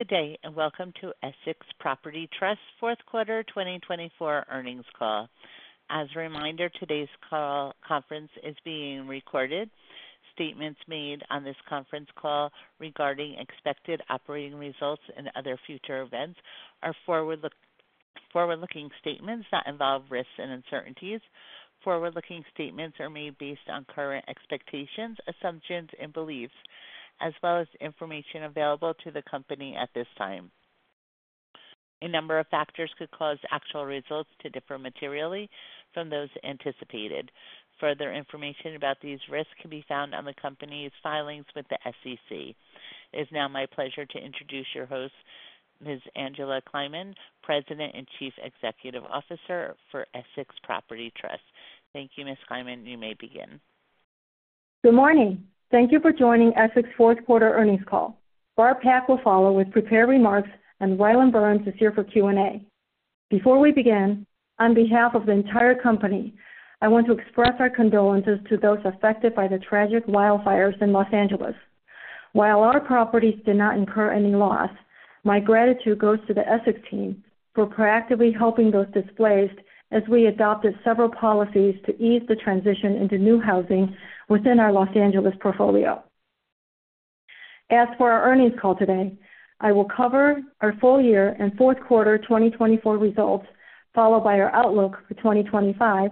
Good day, and welcome to Essex Property Trust Fourth Quarter 2024 Earnings Call. As a reminder, today's conference call is being recorded. Statements made on this conference call regarding expected operating results and other future events are forward-looking statements that involve risks and uncertainties. Forward-looking statements are made based on current expectations, assumptions, and beliefs, as well as information available to the company at this time. A number of factors could cause actual results to differ materially from those anticipated. Further information about these risks can be found on the company's filings with the SEC. It is now my pleasure to introduce your host, Ms. Angela Kleiman, President and Chief Executive Officer for Essex Property Trust. Thank you, Ms. Kleiman, and you may begin. Good morning. Thank you for joining Essex Fourth Quarter earnings call. Barb Pak will follow with prepared remarks, and Rylan Burns is here for Q&A. Before we begin, on behalf of the entire company, I want to express our condolences to those affected by the tragic wildfires in Los Angeles. While our properties did not incur any loss, my gratitude goes to the Essex team for proactively helping those displaced as we adopted several policies to ease the transition into new housing within our Los Angeles portfolio. As for our earnings call today, I will cover our full year and fourth quarter 2024 results, followed by our outlook for 2025,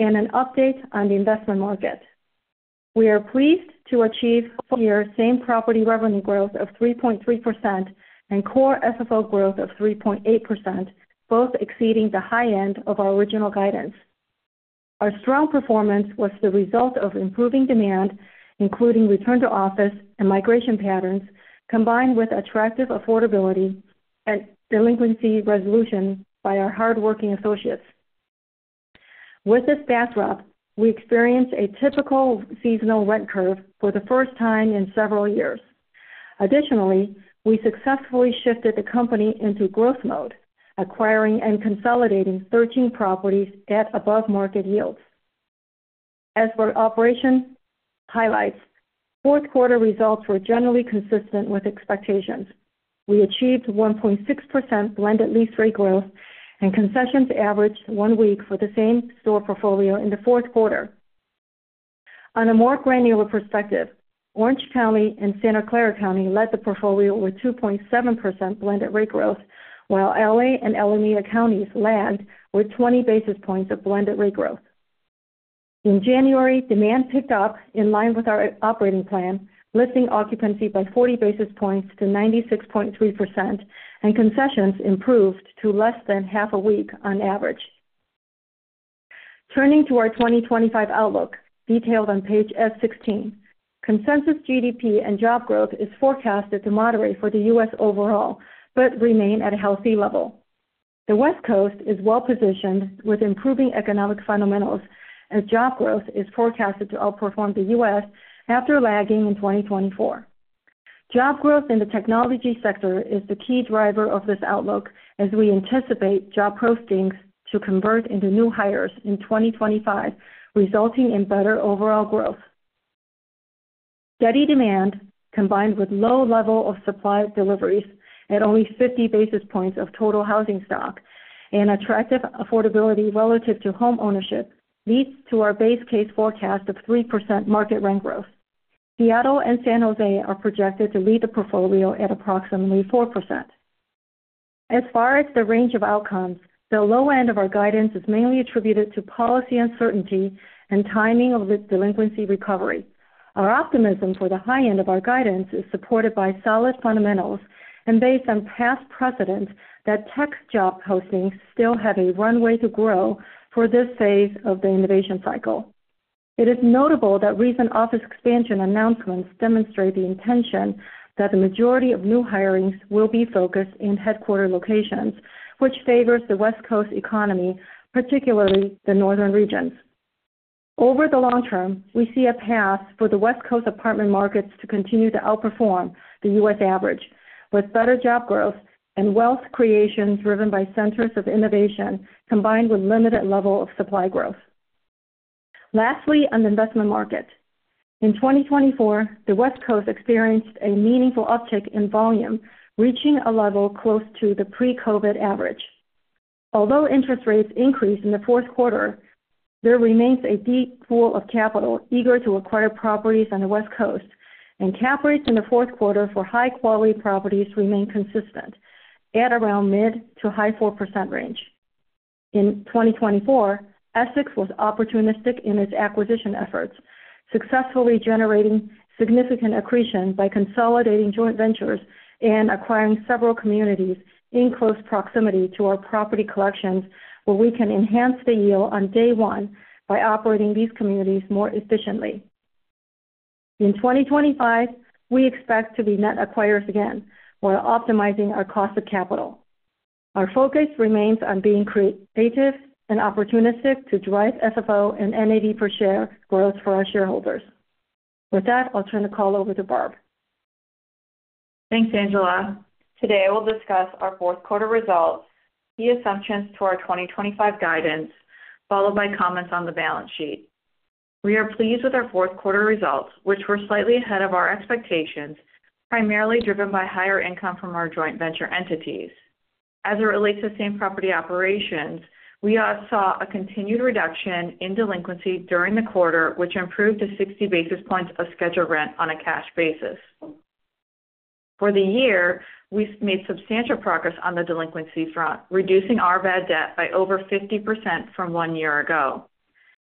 and an update on the investment market. We are pleased to achieve full year same property revenue growth of 3.3% and core FFO growth of 3.8%, both exceeding the high end of our original guidance. Our strong performance was the result of improving demand, including return to office and migration patterns, combined with attractive affordability and delinquency resolution by our hardworking associates. With this backdrop, we experienced a typical seasonal rent curve for the first time in several years. Additionally, we successfully shifted the company into growth mode, acquiring and consolidating 13 properties at above-market yields. As for operational highlights, fourth quarter results were generally consistent with expectations. We achieved 1.6% blended lease rate growth, and concessions averaged one week for the same store portfolio in the fourth quarter. On a more granular perspective, Orange County and Santa Clara County led the portfolio with 2.7% blended rate growth, while LA and Alameda County lagged with 20 basis points of blended rate growth. In January, demand picked up in line with our operating plan, lifting occupancy by 40 basis points to 96.3%, and concessions improved to less than half a week on average. Turning to our 2025 outlook, detailed on page S16, consensus GDP and job growth is forecasted to moderate for the U.S. overall but remain at a healthy level. The West Coast is well positioned with improving economic fundamentals as job growth is forecasted to outperform the U.S. after lagging in 2024. Job growth in the technology sector is the key driver of this outlook as we anticipate job postings to convert into new hires in 2025, resulting in better overall growth. Steady demand, combined with low level of supply deliveries at only 50 basis points of total housing stock and attractive affordability relative to home ownership, leads to our base case forecast of 3% market rent growth. Seattle and San Jose are projected to lead the portfolio at approximately 4%. As far as the range of outcomes, the low end of our guidance is mainly attributed to policy uncertainty and timing of delinquency recovery. Our optimism for the high end of our guidance is supported by solid fundamentals and based on past precedents that tech job postings still have a runway to grow for this phase of the innovation cycle. It is notable that recent office expansion announcements demonstrate the intention that the majority of new hirings will be focused in headquarters locations, which favors the West Coast economy, particularly the northern regions. Over the long term, we see a path for the West Coast apartment markets to continue to outperform the U.S. average with better job growth and wealth creation driven by centers of innovation, combined with limited level of supply growth. Lastly, on the investment market, in 2024, the West Coast experienced a meaningful uptick in volume, reaching a level close to the pre-COVID average. Although interest rates increased in the fourth quarter, there remains a deep pool of capital eager to acquire properties on the West Coast, and cap rates in the fourth quarter for high-quality properties remain consistent at around mid- to high-4% range. In 2024, Essex was opportunistic in its acquisition efforts, successfully generating significant accretion by consolidating joint ventures and acquiring several communities in close proximity to our property collections where we can enhance the yield on day one by operating these communities more efficiently. In 2025, we expect to be net acquirers again while optimizing our cost of capital. Our focus remains on being creative and opportunistic to drive FFO and NAV per share growth for our shareholders. With that, I'll turn the call over to Barb. Thanks, Angela. Today, we'll discuss our fourth quarter results, key assumptions to our 2025 guidance, followed by comments on the balance sheet. We are pleased with our fourth quarter results, which were slightly ahead of our expectations, primarily driven by higher income from our joint venture entities. As it relates to same property operations, we saw a continued reduction in delinquency during the quarter, which improved to 60 basis points of scheduled rent on a cash basis. For the year, we made substantial progress on the delinquency front, reducing our bad debt by over 50% from one year ago.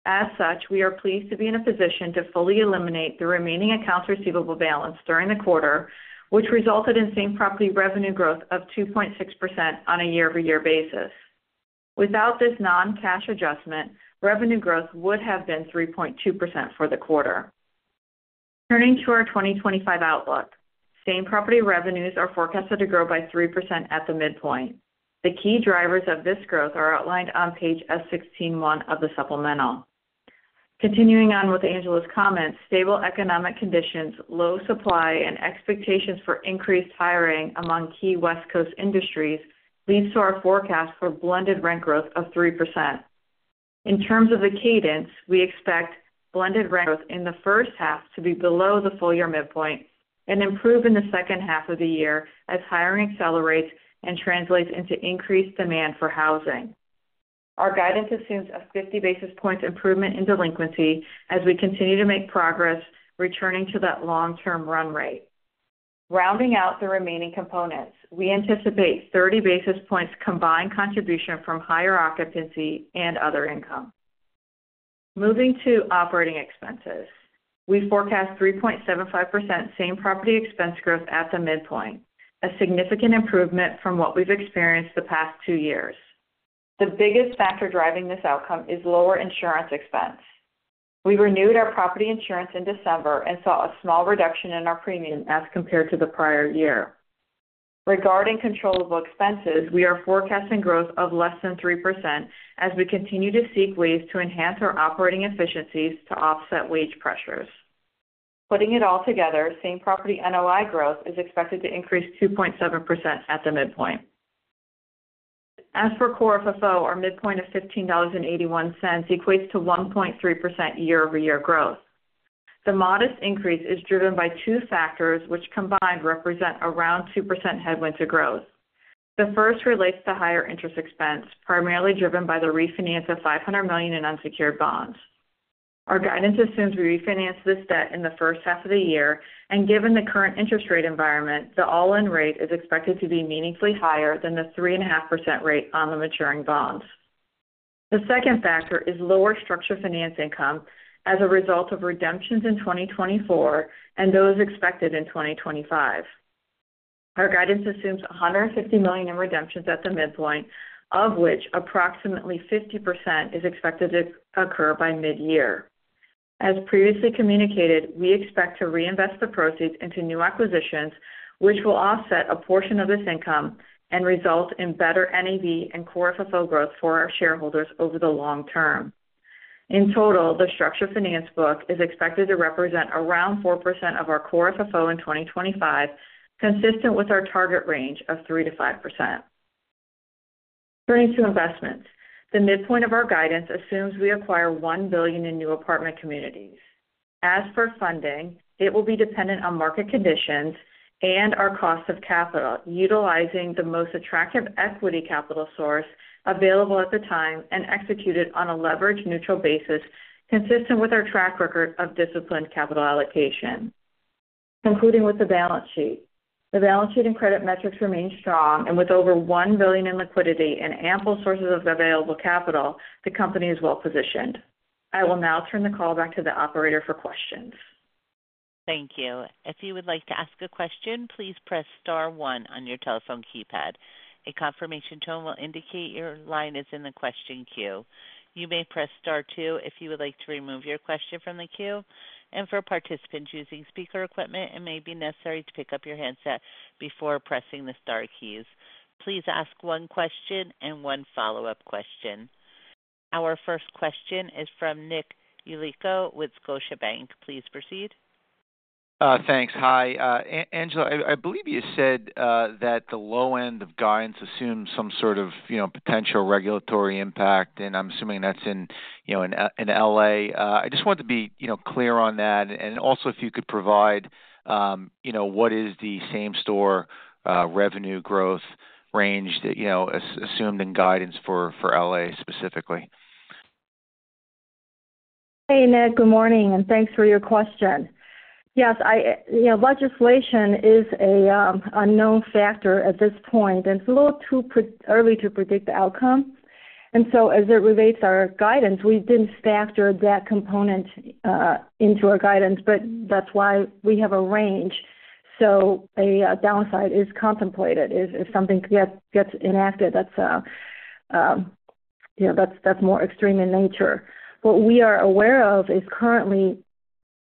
As such, we are pleased to be in a position to fully eliminate the remaining accounts receivable balance during the quarter, which resulted in same property revenue growth of 2.6% on a year-over-year basis. Without this non-cash adjustment, revenue growth would have been 3.2% for the quarter. Turning to our 2025 outlook, same property revenues are forecasted to grow by 3% at the midpoint. The key drivers of this growth are outlined on page S16-1 of the supplemental. Continuing on with Angela's comments, stable economic conditions, low supply, and expectations for increased hiring among key West Coast industries lead to our forecast for blended rent growth of 3%. In terms of the cadence, we expect blended rent growth in the first half to be below the full year midpoint and improve in the second half of the year as hiring accelerates and translates into increased demand for housing. Our guidance assumes a 50 basis points improvement in delinquency as we continue to make progress, returning to that long-term run rate. Rounding out the remaining components, we anticipate 30 basis points combined contribution from higher occupancy and other income. Moving to operating expenses, we forecast 3.75% same property expense growth at the midpoint, a significant improvement from what we've experienced the past two years. The biggest factor driving this outcome is lower insurance expense. We renewed our property insurance in December and saw a small reduction in our premium as compared to the prior year. Regarding controllable expenses, we are forecasting growth of less than 3% as we continue to seek ways to enhance our operating efficiencies to offset wage pressures. Putting it all together, same property NOI growth is expected to increase 2.7% at the midpoint. As for core FFO, our midpoint of $15.81 equates to 1.3% year-over-year growth. The modest increase is driven by two factors which combined represent around 2% headwinds of growth. The first relates to higher interest expense, primarily driven by the refinance of $500 million in unsecured bonds. Our guidance assumes we refinance this debt in the first half of the year, and given the current interest rate environment, the all-in rate is expected to be meaningfully higher than the 3.5% rate on the maturing bonds. The second factor is lower structured finance income as a result of redemptions in 2024 and those expected in 2025. Our guidance assumes $150 million in redemptions at the midpoint, of which approximately 50% is expected to occur by mid-year. As previously communicated, we expect to reinvest the proceeds into new acquisitions, which will offset a portion of this income and result in better NAV and core FFO growth for our shareholders over the long term. In total, the structured finance book is expected to represent around 4% of our core FFO in 2025, consistent with our target range of 3%-5%. Turning to investments, the midpoint of our guidance assumes we acquire $1 billion in new apartment communities. As for funding, it will be dependent on market conditions and our cost of capital, utilizing the most attractive equity capital source available at the time and executed on a leveraged neutral basis consistent with our track record of disciplined capital allocation. Concluding with the balance sheet, the balance sheet and credit metrics remain strong, and with over $1 billion in liquidity and ample sources of available capital, the company is well positioned. I will now turn the call back to the operator for questions. Thank you. If you would like to ask a question, please press star one on your telephone keypad. A confirmation tone will indicate your line is in the question queue. You may press star two if you would like to remove your question from the queue, and for participants using speaker equipment, it may be necessary to pick up your handset before pressing the star keys. Please ask one question and one follow-up question. Our first question is from Nick Yulico with Scotiabank. Please proceed. Thanks. Hi. Angela, I believe you said that the low end of guidance assumes some sort of potential regulatory impact, and I'm assuming that's in LA. I just wanted to be clear on that, and also if you could provide what is the same store revenue growth range assumed in guidance for LA specifically. Hey, Nick. Good morning, and thanks for your question. Yes, legislation is a known factor at this point, and it's a little too early to predict the outcome, and so as it relates to our guidance, we didn't factor that component into our guidance, but that's why we have a range, so a downside is contemplated if something gets enacted that's more extreme in nature. What we are aware of is currently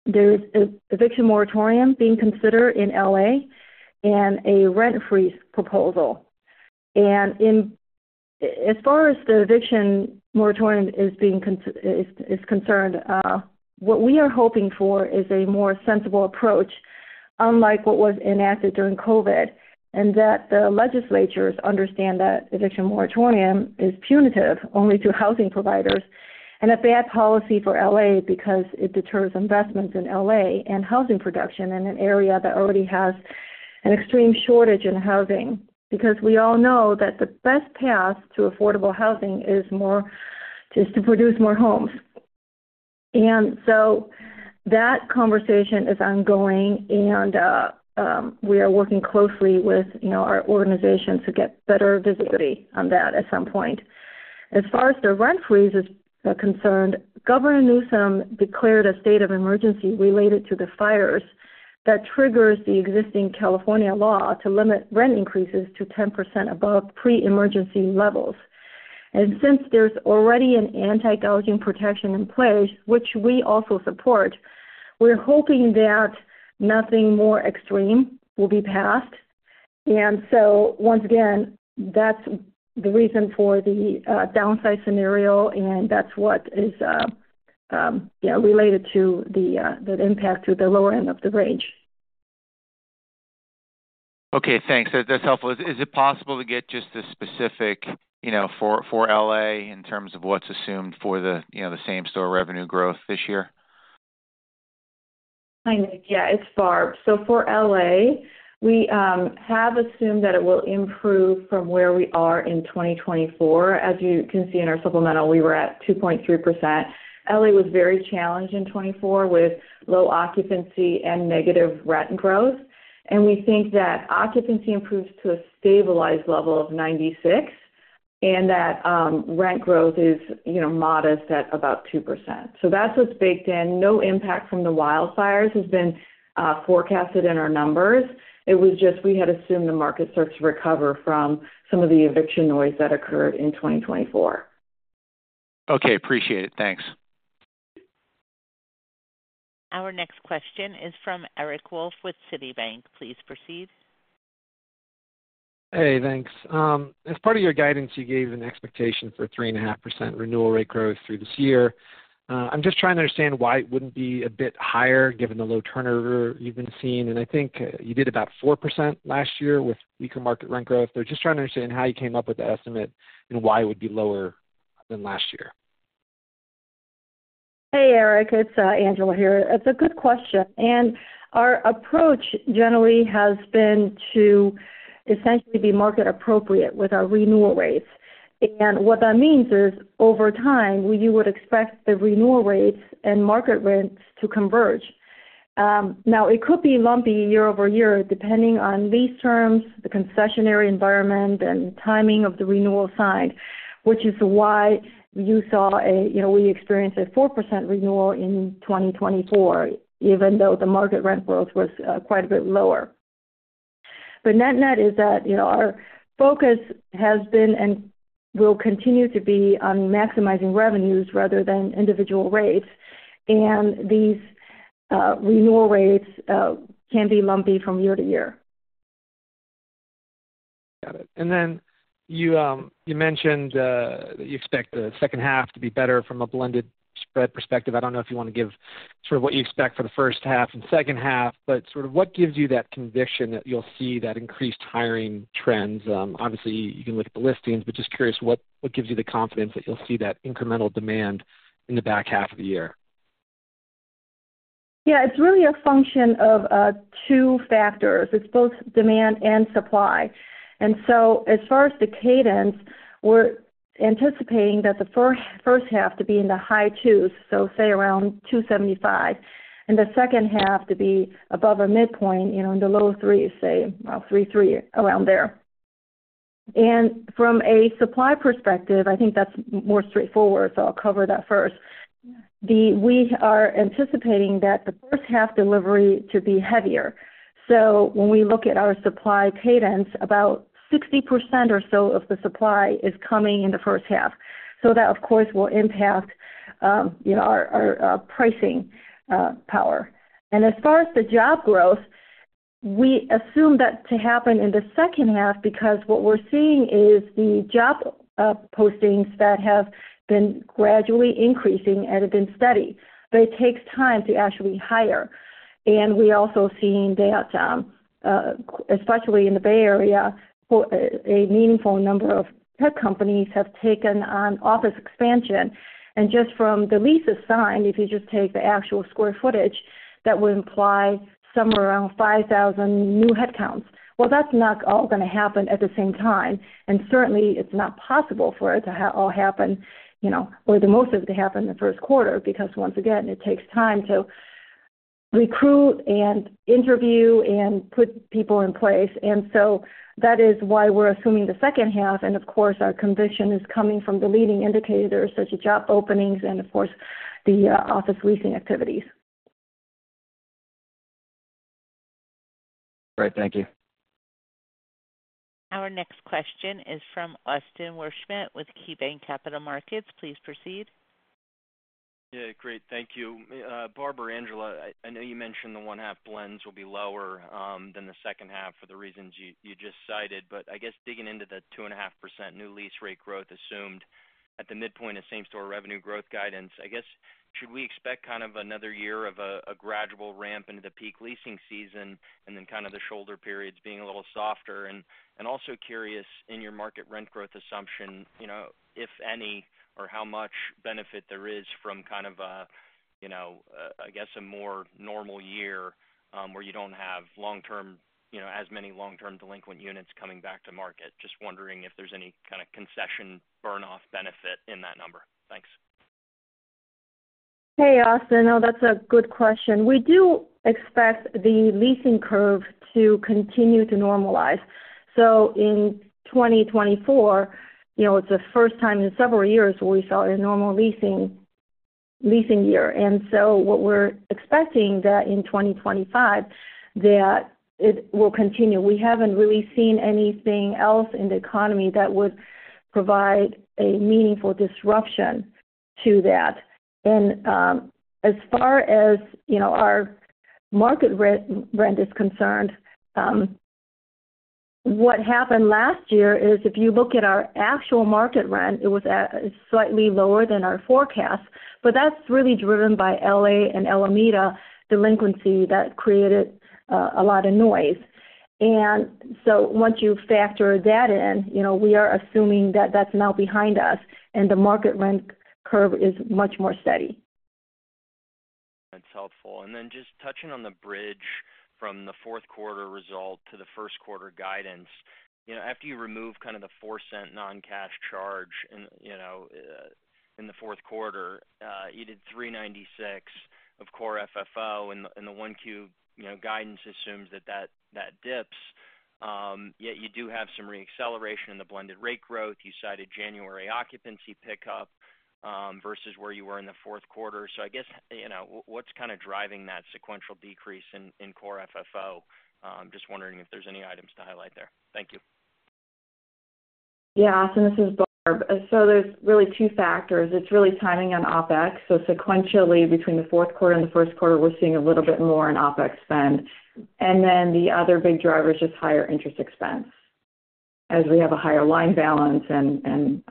there is an eviction moratorium being considered in LA and a rent freeze proposal. And as far as the eviction moratorium is concerned, what we are hoping for is a more sensible approach, unlike what was enacted during COVID, and that the legislators understand that eviction moratorium is punitive only to housing providers and a bad policy for LA because it deters investments in LA and housing production in an area that already has an extreme shortage in housing because we all know that the best path to affordable housing is to produce more homes. And so that conversation is ongoing, and we are working closely with our organization to get better visibility on that at some point. As far as the rent freeze is concerned, Governor Newsom declared a state of emergency related to the fires that triggers the existing California law to limit rent increases to 10% above pre-emergency levels. Since there's already an anti-doubling protection in place, which we also support, we're hoping that nothing more extreme will be passed. Once again, that's the reason for the downside scenario, and that's what is related to the impact to the lower end of the range. Okay. Thanks. That's helpful. Is it possible to get just the specifics for LA in terms of what's assumed for the same store revenue growth this year? Hi, Nick. Yeah, it's Barb. So for LA, we have assumed that it will improve from where we are in 2024. As you can see in our supplemental, we were at 2.3%. LA was very challenged in 2024 with low occupancy and negative rent growth, and we think that occupancy improves to a stabilized level of 96% and that rent growth is modest at about 2%. So that's what's baked in. No impact from the wildfires has been forecasted in our numbers. It was just we had assumed the market starts to recover from some of the eviction noise that occurred in 2024. Okay. Appreciate it. Thanks. Our next question is from Eric Wolfe with Citibank. Please proceed. Hey, thanks. As part of your guidance, you gave an expectation for 3.5% renewal rate growth through this year. I'm just trying to understand why it wouldn't be a bit higher given the low turnover you've been seeing. And I think you did about 4% last year with weaker market rent growth. They're just trying to understand how you came up with the estimate and why it would be lower than last year. Hey, Eric. It's Angela here. It's a good question, and our approach generally has been to essentially be market appropriate with our renewal rates. And what that means is over time, you would expect the renewal rates and market rents to converge. Now, it could be lumpy year over year depending on lease terms, the concessionary environment, and timing of the renewal signed, which is why we experienced a 4% renewal in 2024, even though the market rent growth was quite a bit lower, but net-net is that our focus has been and will continue to be on maximizing revenues rather than individual rates, and these renewal rates can be lumpy from year to year. Got it. And then you mentioned that you expect the second half to be better from a blended spread perspective. I don't know if you want to give sort of what you expect for the first half and second half, but sort of what gives you that conviction that you'll see that increased hiring trends? Obviously, you can look at the listings, but just curious what gives you the confidence that you'll see that incremental demand in the back half of the year? Yeah. It's really a function of two factors. It's both demand and supply. And so as far as the cadence, we're anticipating that the first half to be in the high twos, so say around 275, and the second half to be above a midpoint in the low threes, say around 330, around there. And from a supply perspective, I think that's more straightforward, so I'll cover that first. We are anticipating that the first half delivery to be heavier. So when we look at our supply cadence, about 60% or so of the supply is coming in the first half. So that, of course, will impact our pricing power. And as far as the job growth, we assume that to happen in the second half because what we're seeing is the job postings that have been gradually increasing and have been steady. But it takes time to actually hire. We're also seeing that, especially in the Bay Area, a meaningful number of tech companies have taken on office expansion. Just from the leases signed, if you just take the actual square footage, that would imply somewhere around 5,000 new headcounts, well, that's not all going to happen at the same time. Certainly, it's not possible for it to all happen or the most of it to happen in the first quarter because, once again, it takes time to recruit and interview and put people in place, so that is why we're assuming the second half. Of course, our conviction is coming from the leading indicators such as job openings and, of course, the office leasing activities. Great. Thank you. Our next question is from Austin Wurschmidt with KeyBanc Capital Markets. Please proceed. Yeah. Great. Thank you. Barb or Angela, I know you mentioned the first-half blends will be lower than the second half for the reasons you just cited, but I guess digging into the 2.5% new lease rate growth assumed at the midpoint of same store revenue growth guidance, I guess should we expect kind of another year of a gradual ramp into the peak leasing season and then kind of the shoulder periods being a little softer? And also curious in your market rent growth assumption, if any, or how much benefit there is from kind of, I guess, a more normal year where you don't have as many long-term delinquent units coming back to market. Just wondering if there's any kind of concession burn-off benefit in that number. Thanks. Hey, Austin. No, that's a good question. We do expect the leasing curve to continue to normalize. So in 2024, it's the first time in several years we saw a normal leasing year. And so what we're expecting that in 2025, that it will continue. We haven't really seen anything else in the economy that would provide a meaningful disruption to that. And as far as our market rent is concerned, what happened last year is if you look at our actual market rent, it was slightly lower than our forecast, but that's really driven by LA and Alameda delinquency that created a lot of noise. And so once you factor that in, we are assuming that that's now behind us and the market rent curve is much more steady. That's helpful. Then just touching on the bridge from the fourth quarter result to the first quarter guidance, after you remove kind of the $0.04 non-cash charge in the fourth quarter, you did $3.96 of Core FFO, and the Q1 guidance assumes that that dips. Yet you do have some reacceleration in the blended rate growth. You cited January occupancy pickup versus where you were in the fourth quarter. So I guess what's kind of driving that sequential decrease in Core FFO? Just wondering if there's any items to highlight there. Thank you. Yeah. Austin, this is Barb. So there's really two factors. It's really timing on OpEx. So sequentially between the fourth quarter and the first quarter, we're seeing a little bit more in OpEx spend. And then the other big driver is just higher interest expense as we have a higher line balance and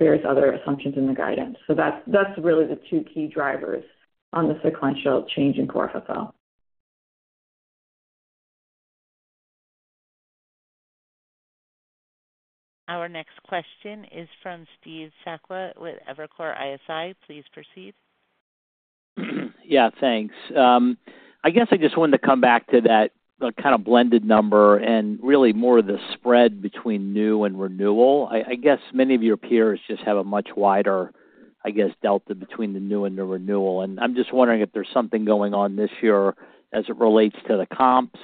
various other assumptions in the guidance. So that's really the two key drivers on the sequential change in Core FFO. Our next question is from Steve Sakwa with Evercore ISI. Please proceed. Yeah. Thanks. I guess I just wanted to come back to that kind of blended number and really more of the spread between new and renewal. I guess many of your peers just have a much wider, I guess, delta between the new and the renewal. And I'm just wondering if there's something going on this year as it relates to the comps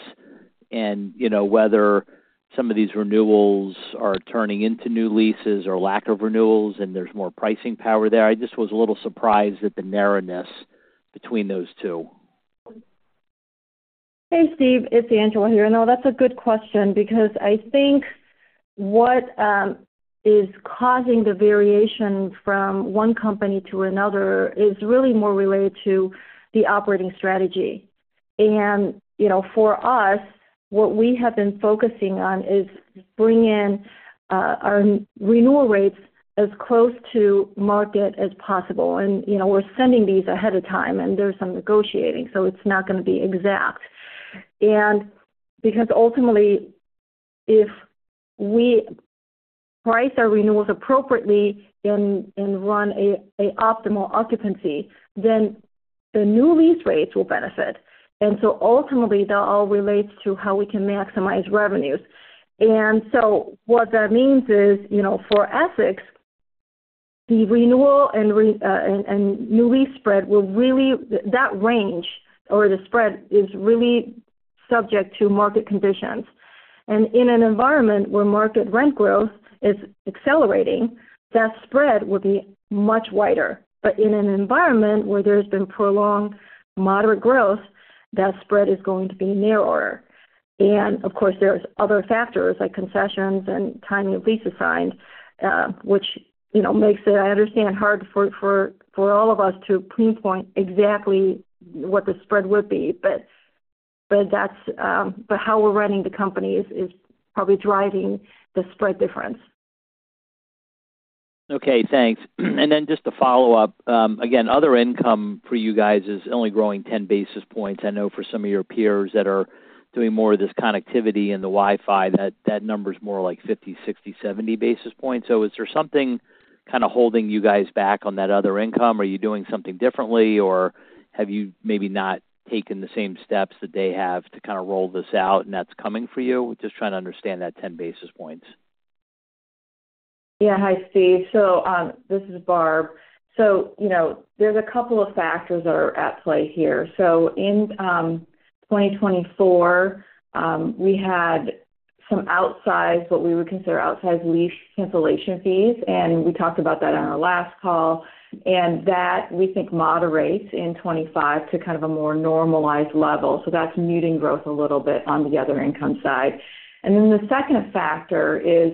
and whether some of these renewals are turning into new leases or lack of renewals and there's more pricing power there. I just was a little surprised at the narrowness between those two. Hey, Steve. It's Angela here. No, that's a good question because I think what is causing the variation from one company to another is really more related to the operating strategy. And for us, what we have been focusing on is bringing our renewal rates as close to market as possible. And we're sending these ahead of time, and there's some negotiating, so it's not going to be exact. And because ultimately, if we price our renewals appropriately and run an optimal occupancy, then the new lease rates will benefit. And so ultimately, that all relates to how we can maximize revenues. And so what that means is for Essex, the renewal and new lease spread will really—that range or the spread is really subject to market conditions. And in an environment where market rent growth is accelerating, that spread will be much wider. But in an environment where there's been prolonged moderate growth, that spread is going to be narrower. And of course, there are other factors like concessions and timing of lease signings, which makes it, I understand, hard for all of us to pinpoint exactly what the spread would be. But how we're running the companies is probably driving the spread difference. Okay. Thanks. And then just to follow up, again, other income for you guys is only growing 10 basis points. I know for some of your peers that are doing more of this connectivity and the Wi-Fi, that number's more like 50, 60, 70 basis points. So is there something kind of holding you guys back on that other income? Are you doing something differently, or have you maybe not taken the same steps that they have to kind of roll this out and that's coming for you? Just trying to understand that 10 basis points. Yeah. Hi, Steve. So this is Barb. So there's a couple of factors that are at play here. So in 2024, we had some outsized, what we would consider outsized lease cancellation fees, and we talked about that on our last call. And that, we think, moderates in 2025 to kind of a more normalized level. So that's muting growth a little bit on the other income side. And then the second factor is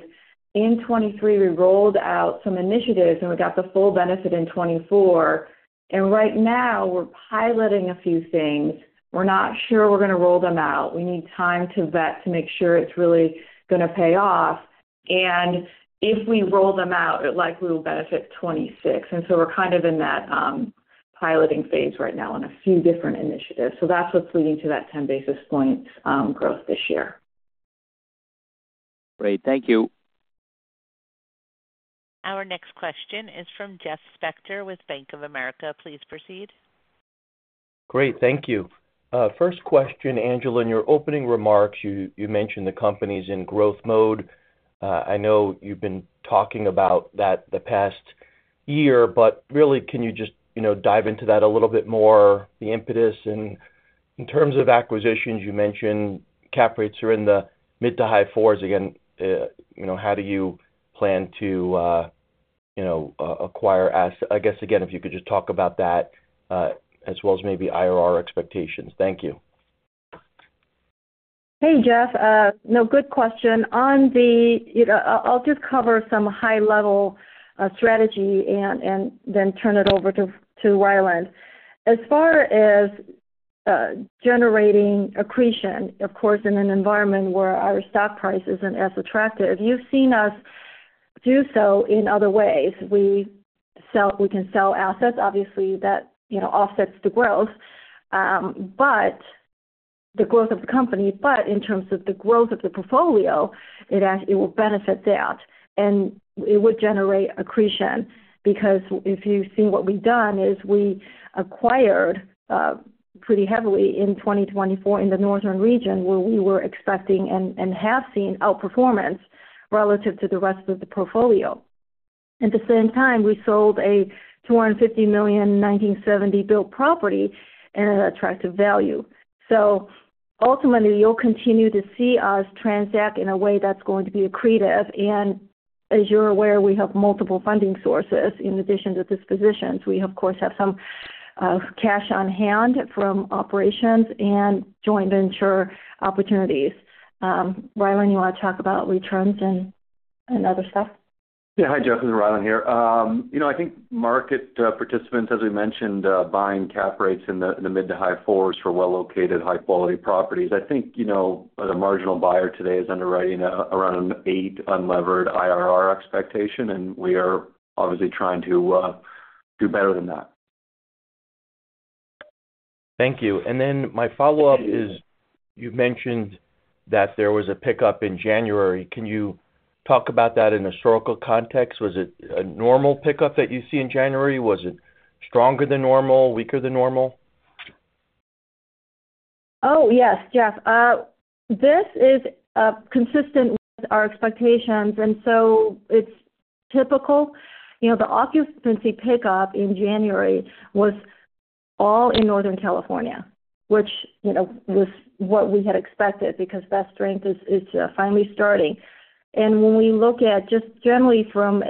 in 2023, we rolled out some initiatives, and we got the full benefit in 2024. And right now, we're piloting a few things. We're not sure we're going to roll them out. We need time to vet to make sure it's really going to pay off. And if we roll them out, we will benefit 2026. And so we're kind of in that piloting phase right now on a few different initiatives. So that's what's leading to that 10 basis points growth this year. Great. Thank you. Our next question is from Jeff Spector with Bank of America. Please proceed. Great. Thank you. First question, Angela, in your opening remarks, you mentioned the company's in growth mode. I know you've been talking about that the past year, but really, can you just dive into that a little bit more, the impetus? And in terms of acquisitions, you mentioned cap rates are in the mid to high fours. Again, how do you plan to acquire? I guess, again, if you could just talk about that as well as maybe IRR expectations. Thank you. Hey, Jeff. No, good question. I'll just cover some high-level strategy and then turn it over to Rylan. As far as generating accretion, of course, in an environment where our stock price isn't as attractive, you've seen us do so in other ways. We can sell assets, obviously, that offsets the growth but the growth of the company, but in terms of the growth of the portfolio, it will benefit that, and it would generate accretion because if you've seen what we've done is we acquired pretty heavily in 2024 in the northern region where we were expecting and have seen outperformance relative to the rest of the portfolio. At the same time, we sold a $250 million 1970-built property at an attractive value, so ultimately, you'll continue to see us transact in a way that's going to be accretive. As you're aware, we have multiple funding sources in addition to dispositions. We, of course, have some cash on hand from operations and joint venture opportunities. Rylan, you want to talk about returns and other stuff? Yeah. Hi, Jeff. This is Rylan here. I think market participants, as we mentioned, buying cap rates in the mid to high fours for well-located, high-quality properties. I think the marginal buyer today is underwriting around an eight unlevered IRR expectation, and we are obviously trying to do better than that. Thank you. And then my follow-up is you've mentioned that there was a pickup in January. Can you talk about that in a historical context? Was it a normal pickup that you see in January? Was it stronger than normal, weaker than normal? Oh, yes, Jeff. This is consistent with our expectations, and so it's typical. The occupancy pickup in January was all in Northern California, which was what we had expected because that strength is finally starting, and when we look at just generally from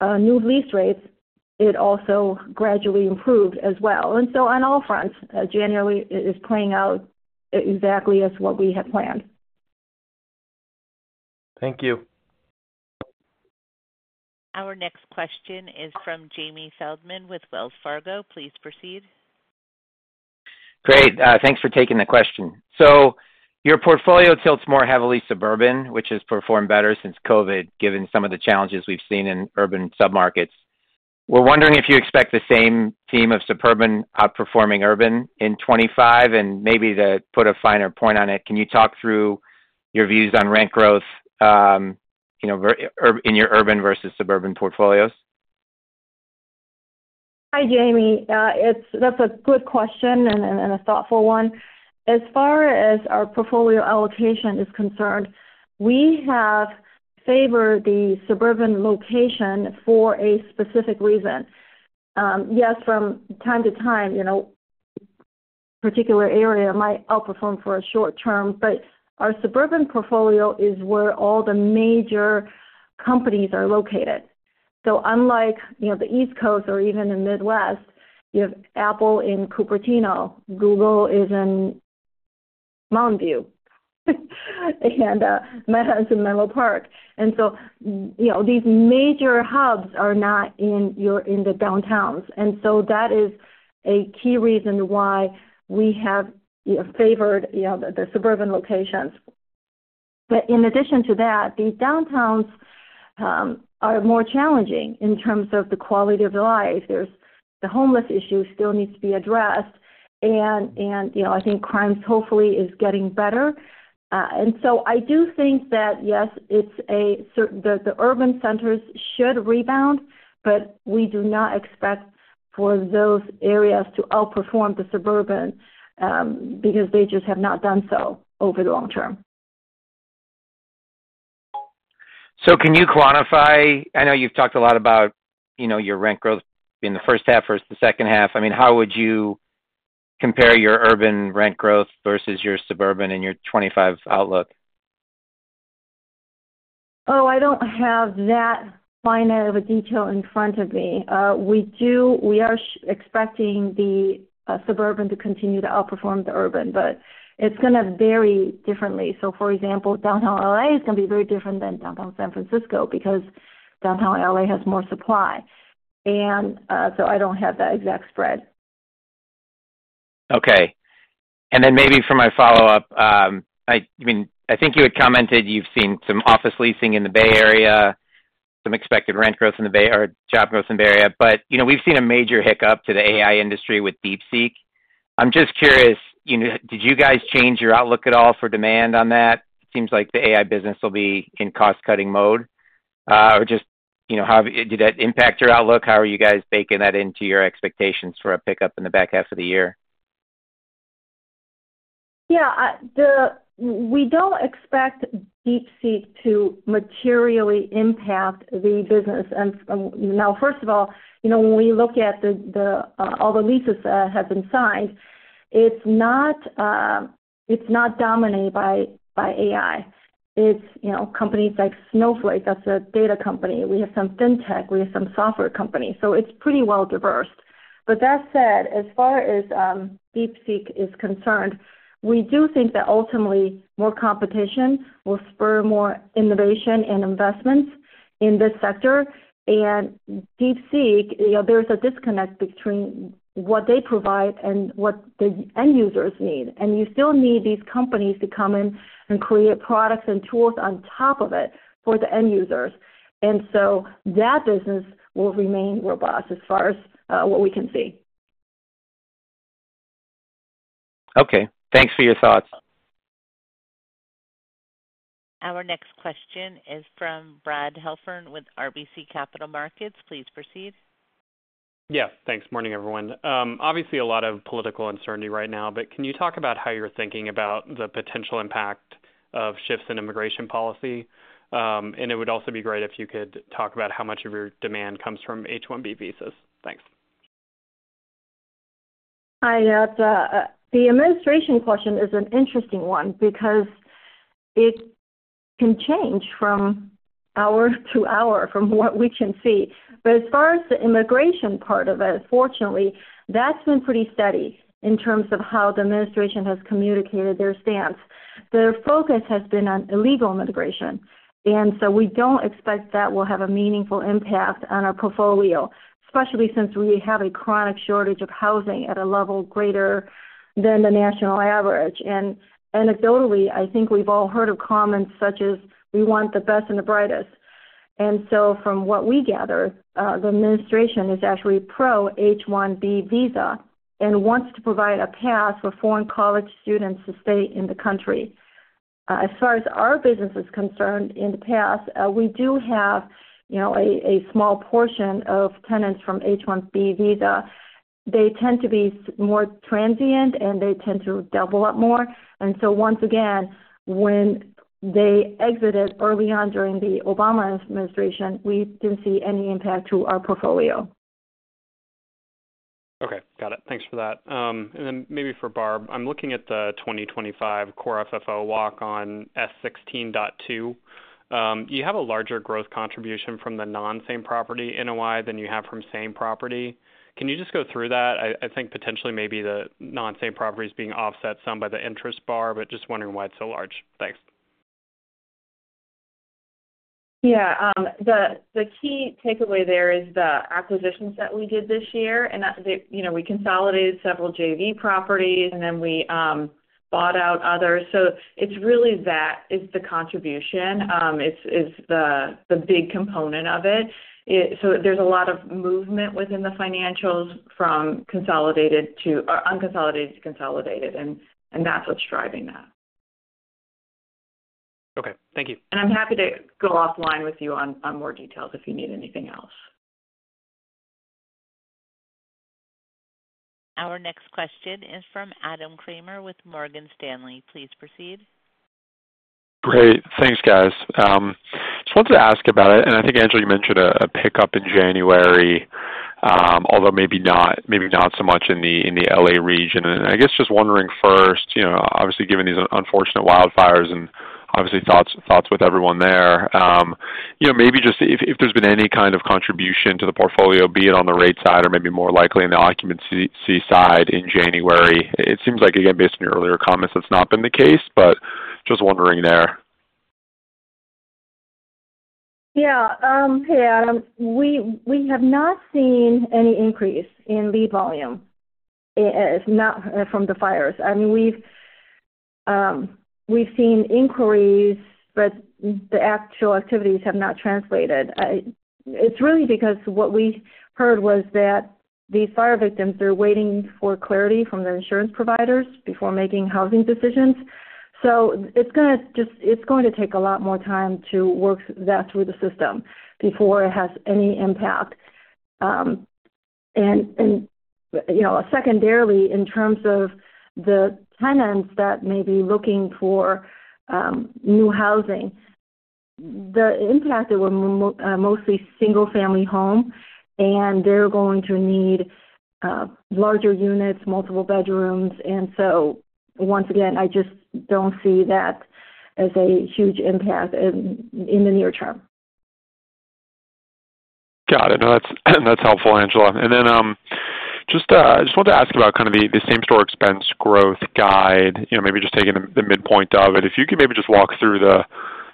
a new lease rate, it also gradually improved as well. And so on all fronts, January is playing out exactly as what we had planned. Thank you. Our next question is from Jamie Feldman with Wells Fargo. Please proceed. Great. Thanks for taking the question. So your portfolio tilts more heavily suburban, which has performed better since COVID, given some of the challenges we've seen in urban submarkets. We're wondering if you expect the same theme of suburban outperforming urban in 2025, and maybe to put a finer point on it, can you talk through your views on rent growth in your urban versus suburban portfolios? Hi, Jamie. That's a good question and a thoughtful one. As far as our portfolio allocation is concerned, we have favored the suburban location for a specific reason. Yes, from time to time, a particular area might outperform for a short term, but our suburban portfolio is where all the major companies are located, so unlike the East Coast or even the Midwest, you have Apple in Cupertino, Google is in Mountain View, and Meta's in Menlo Park, and so these major hubs are not in the downtowns, and so that is a key reason why we have favored the suburban locations. But in addition to that, the downtowns are more challenging in terms of the quality of life. The homeless issue still needs to be addressed, and I think crime, hopefully, is getting better. I do think that, yes, the urban centers should rebound, but we do not expect for those areas to outperform the suburbs because they just have not done so over the long term. So can you quantify? I know you've talked a lot about your rent growth in the first half versus the second half. I mean, how would you compare your urban rent growth versus your suburban and your 2025 outlook? Oh, I don't have that fine of a detail in front of me. We are expecting the suburban to continue to outperform the urban, but it's going to vary differently. So for example, downtown LA is going to be very different than downtown San Francisco because downtown LA has more supply, and so I don't have that exact spread. Okay. And then maybe for my follow-up, I mean, I think you had commented you've seen some office leasing in the Bay Area, some expected rent growth in the Bay or job growth in the Bay Area. But we've seen a major hiccup to the AI industry with DeepSeek. I'm just curious, did you guys change your outlook at all for demand on that? It seems like the AI business will be in cost-cutting mode. Or just did that impact your outlook? How are you guys baking that into your expectations for a pickup in the back half of the year? Yeah. We don't expect DeepSeek to materially impact the business. Now, first of all, when we look at all the leases that have been signed, it's not dominated by AI. It's companies like Snowflake. That's a data company. We have some fintech. We have some software companies. So it's pretty well diversified. But that said, as far as DeepSeek is concerned, we do think that ultimately, more competition will spur more innovation and investments in this sector. And DeepSeek, there's a disconnect between what they provide and what the end users need. And you still need these companies to come in and create products and tools on top of it for the end users. And so that business will remain robust as far as what we can see. Okay. Thanks for your thoughts. Our next question is from Brad Heffern with RBC Capital Markets. Please proceed. Yeah. Thanks. Morning, everyone. Obviously, a lot of political uncertainty right now, but can you talk about how you're thinking about the potential impact of shifts in immigration policy? And it would also be great if you could talk about how much of your demand comes from H-1B visas. Thanks. Hi. The administration question is an interesting one because it can change from hour to hour from what we can see. But as far as the immigration part of it, fortunately, that's been pretty steady in terms of how the administration has communicated their stance. Their focus has been on illegal immigration. And so we don't expect that will have a meaningful impact on our portfolio, especially since we have a chronic shortage of housing at a level greater than the national average. And anecdotally, I think we've all heard of comments such as, "We want the best and the brightest." And so from what we gather, the administration is actually pro-H-1B visa and wants to provide a path for foreign college students to stay in the country. As far as our business is concerned, in the past, we do have a small portion of tenants from H-1B visa. They tend to be more transient, and they tend to double up more, and so once again, when they exited early on during the Obama administration, we didn't see any impact to our portfolio. Okay. Got it. Thanks for that. And then maybe for Barb, I'm looking at the 2025 Core FFO walk on S16.2. You have a larger growth contribution from the non-same property NOI than you have from same property. Can you just go through that? I think potentially maybe the non-same property is being offset some by the interest bar, but just wondering why it's so large. Thanks. Yeah. The key takeaway there is the acquisitions that we did this year. And we consolidated several JV properties, and then we bought out others. So it's really that is the contribution. It's the big component of it. So there's a lot of movement within the financials from consolidated to unconsolidated to consolidated. And that's what's driving that. Okay. Thank you. I'm happy to go offline with you on more details if you need anything else. Our next question is from Adam Kramer with Morgan Stanley. Please proceed. Great. Thanks, guys. Just wanted to ask about it. And I think, Angela, you mentioned a pickup in January, although maybe not so much in the LA region. And I guess just wondering first, obviously, given these unfortunate wildfires and obviously thoughts with everyone there, maybe just if there's been any kind of contribution to the portfolio, be it on the rate side or maybe more likely in the occupancy side in January. It seems like, again, based on your earlier comments, that's not been the case, but just wondering there. Yeah. Hey, Adam. We have not seen any increase in lead volume, if not from the fires. I mean, we've seen inquiries, but the actual activities have not translated. It's really because what we heard was that these fire victims, they're waiting for clarity from the insurance providers before making housing decisions, so it's going to take a lot more time to work that through the system before it has any impact, and secondarily, in terms of the tenants that may be looking for new housing, the impact will mostly be single-family home, and they're going to need larger units, multiple bedrooms, and so once again, I just don't see that as a huge impact in the near term. Got it. No, that's helpful, Angela. And then just wanted to ask about kind of the same-store expense growth guide, maybe just taking the midpoint of it. If you could maybe just walk through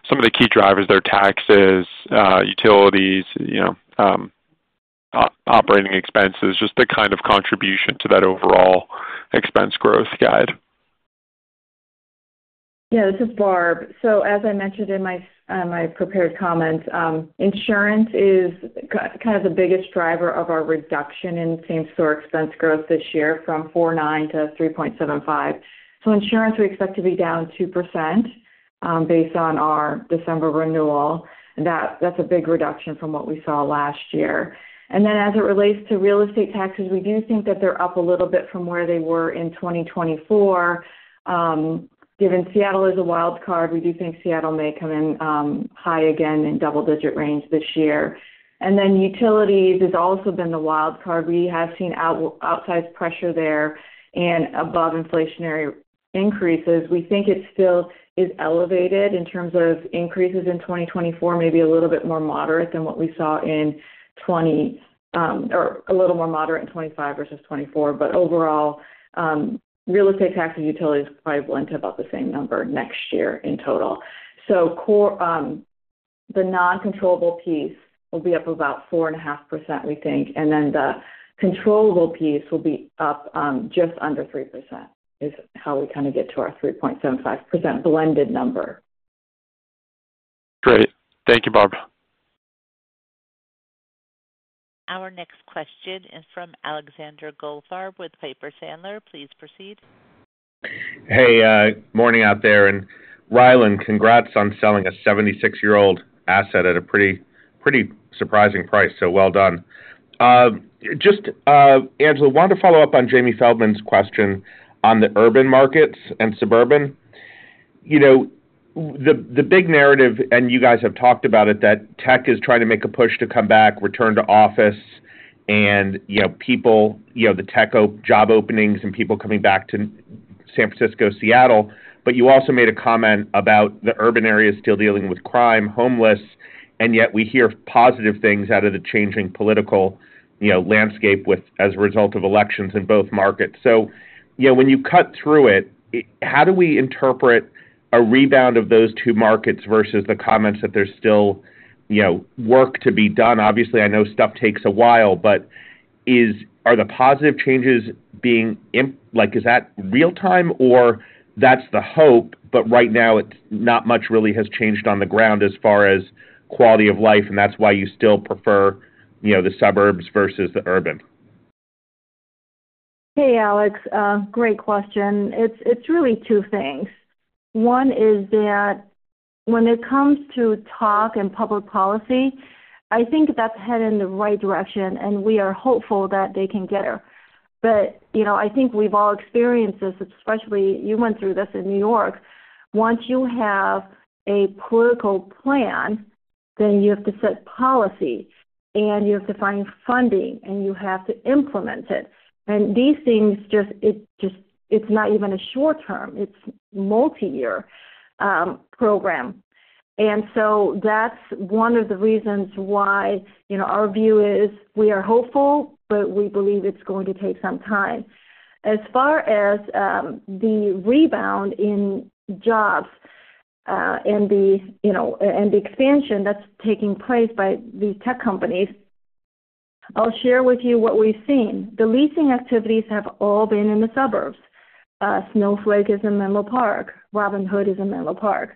some of the key drivers there, taxes, utilities, operating expenses, just the kind of contribution to that overall expense growth guide. Yeah. This is Barb. So as I mentioned in my prepared comments, insurance is kind of the biggest driver of our reduction in same-store expense growth this year from 4.9% to 3.75%. So insurance, we expect to be down 2% based on our December renewal. That's a big reduction from what we saw last year. And then as it relates to real estate taxes, we do think that they're up a little bit from where they were in 2024. Given Seattle is a wild card, we do think Seattle may come in high again in double-digit range this year. And then utilities has also been the wild card. We have seen outsized pressure there and above inflationary increases. We think it still is elevated in terms of increases in 2024, maybe a little bit more moderate than what we saw in 2020 or a little more moderate in 2025 versus 2024. But overall, real estate taxes and utilities probably blend to about the same number next year in total. So the non-controllable piece will be up about 4.5%, we think. And then the controllable piece will be up just under 3% is how we kind of get to our 3.75% blended number. Great. Thank you, Barb. Our next question is from Alexander Goldfarb with Piper Sandler. Please proceed. Hey. Morning out there, and Rylan, congrats on selling a 76-year-old asset at a pretty surprising price. So well done. Just, Angela, wanted to follow up on Jamie Feldman's question on the urban markets and suburban. The big narrative, and you guys have talked about it, that tech is trying to make a push to come back, return to office, and people, the tech job openings and people coming back to San Francisco, Seattle, but you also made a comment about the urban area still dealing with crime, homeless, and yet we hear positive things out of the changing political landscape as a result of elections in both markets, so when you cut through it, how do we interpret a rebound of those two markets versus the comments that there's still work to be done? Obviously, I know stuff takes a while, but are the positive changes being seen? Is that real-time or that's the hope, but right now, not much really has changed on the ground as far as quality of life, and that's why you still prefer the suburbs versus the urban? Hey, Alex. Great question. It's really two things. One is that when it comes to tax and public policy, I think that's headed in the right direction, and we are hopeful that they can get there. But I think we've all experienced this, especially you went through this in New York. Once you have a political plan, then you have to set policy, and you have to find funding, and you have to implement it. And these things, it's not even a short-term. It's a multi-year program. And so that's one of the reasons why our view is we are hopeful, but we believe it's going to take some time. As far as the rebound in jobs and the expansion that's taking place by these tech companies, I'll share with you what we've seen. The leasing activities have all been in the suburbs. Snowflake is in Menlo Park. Robinhood is in Menlo Park.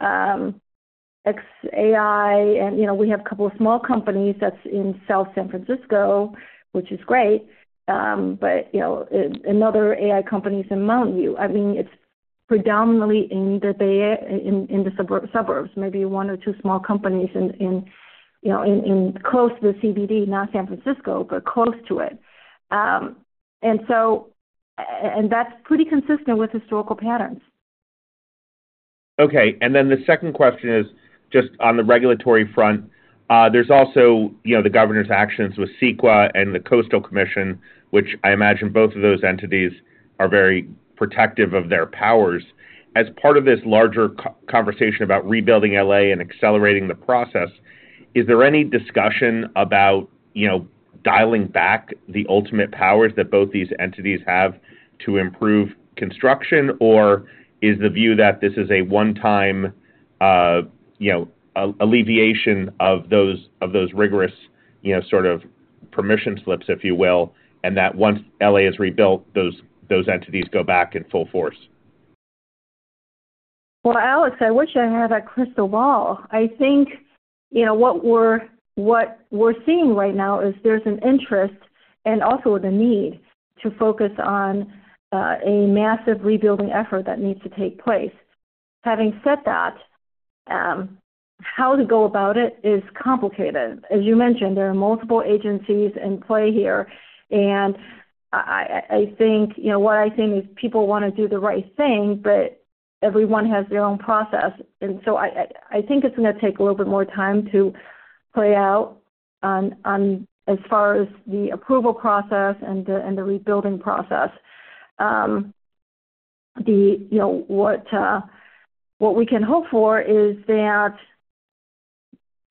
xAI, and we have a couple of small companies that's in South San Francisco, which is great. But another AI company is in Mountain View. I mean, it's predominantly in the suburbs. Maybe one or two small companies in close to the CBD, not San Francisco, but close to it. And that's pretty consistent with historical patterns. Okay. And then the second question is just on the regulatory front. There's also the governor's actions with CEQA and the Coastal Commission, which I imagine both of those entities are very protective of their powers. As part of this larger conversation about rebuilding LA and accelerating the process, is there any discussion about dialing back the ultimate powers that both these entities have to improve construction, or is the view that this is a one-time alleviation of those rigorous sort of permission slips, if you will, and that once LA is rebuilt, those entities go back in full force? Alex, I wish I had a crystal ball. I think what we're seeing right now is there's an interest and also the need to focus on a massive rebuilding effort that needs to take place. Having said that, how to go about it is complicated. As you mentioned, there are multiple agencies in play here. And I think what is people want to do the right thing, but everyone has their own process. And so I think it's going to take a little bit more time to play out as far as the approval process and the rebuilding process. What we can hope for is that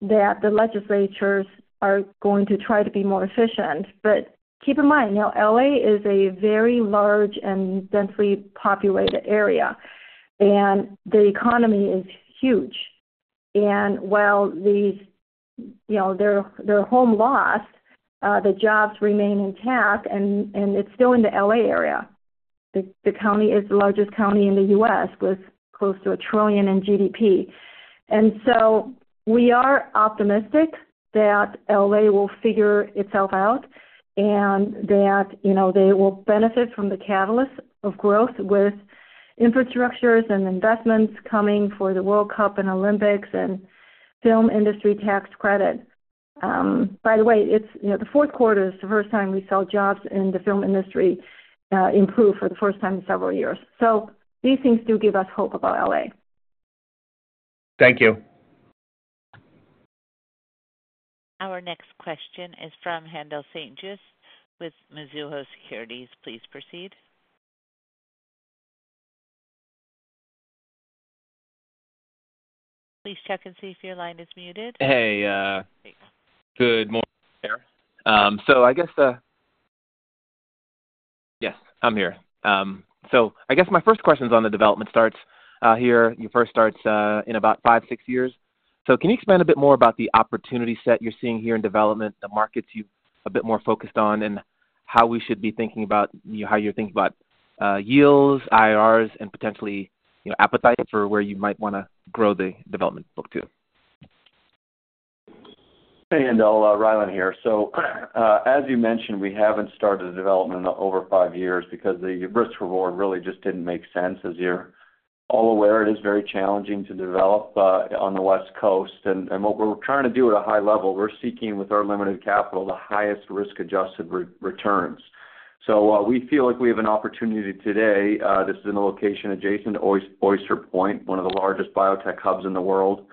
the legislatures are going to try to be more efficient. But keep in mind, LA is a very large and densely populated area, and the economy is huge. And while their home lost, the jobs remain intact, and it's still in the LA area. The county is the largest county in the U.S. with close to $1 trillion in GDP. And so we are optimistic that LA will figure itself out and that they will benefit from the catalyst of growth with infrastructures and investments coming for the World Cup and Olympics and film industry tax credit. By the way, the fourth quarter is the first time we saw jobs in the film industry improve for the first time in several years. So these things do give us hope about LA. Thank you. Our next question is from Haendel St. Juste with Mizuho Securities. Please proceed. Please check and see if your line is muted. Hey. Good morning there. So I guess, yes, I'm here. So I guess my first question is on the development starts here. Your first starts in about five, six years. So can you expand a bit more about the opportunity set you're seeing here in development, the markets you're a bit more focused on, and how we should be thinking about how you're thinking about yields, IRRs, and potentially appetite for where you might want to grow the development book to? Hey, Angela. Rylan here. So as you mentioned, we haven't started development in over five years because the risk-reward really just didn't make sense. As you're all aware, it is very challenging to develop on the West Coast. And what we're trying to do at a high level, we're seeking with our limited capital the highest risk-adjusted returns. So we feel like we have an opportunity today. This is in a location adjacent to Oyster Point, one of the largest biotech hubs in the world.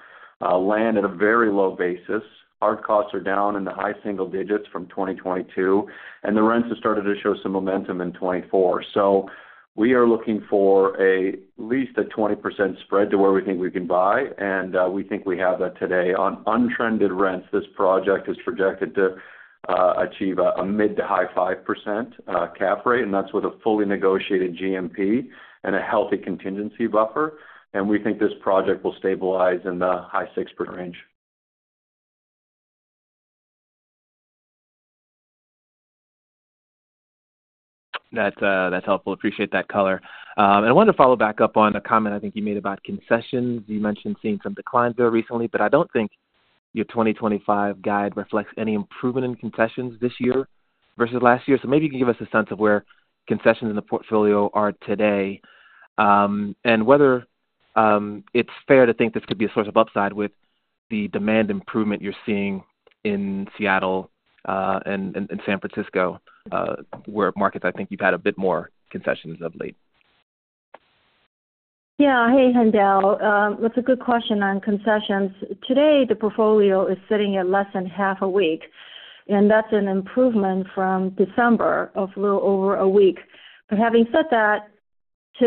Land at a very low basis. Our costs are down in the high single digits from 2022, and the rents have started to show some momentum in 2024. So we are looking for at least a 20% spread to where we think we can buy. And we think we have that today. On untrended rents, this project is projected to achieve a mid- to high-5% cap rate, and that's with a fully negotiated GMP and a healthy contingency buffer. And we think this project will stabilize in the high-6% range. That's helpful. Appreciate that color. And I wanted to follow back up on a comment I think you made about concessions. You mentioned seeing some declines there recently, but I don't think your 2025 guide reflects any improvement in concessions this year versus last year. So maybe you can give us a sense of where concessions in the portfolio are today and whether it's fair to think this could be a source of upside with the demand improvement you're seeing in Seattle and San Francisco, where markets, I think you've had a bit more concessions of late. Yeah. Hey, Haendel. That's a good question on concessions. Today, the portfolio is sitting at less than half a week, and that's an improvement from December of a little over a week. But having said that,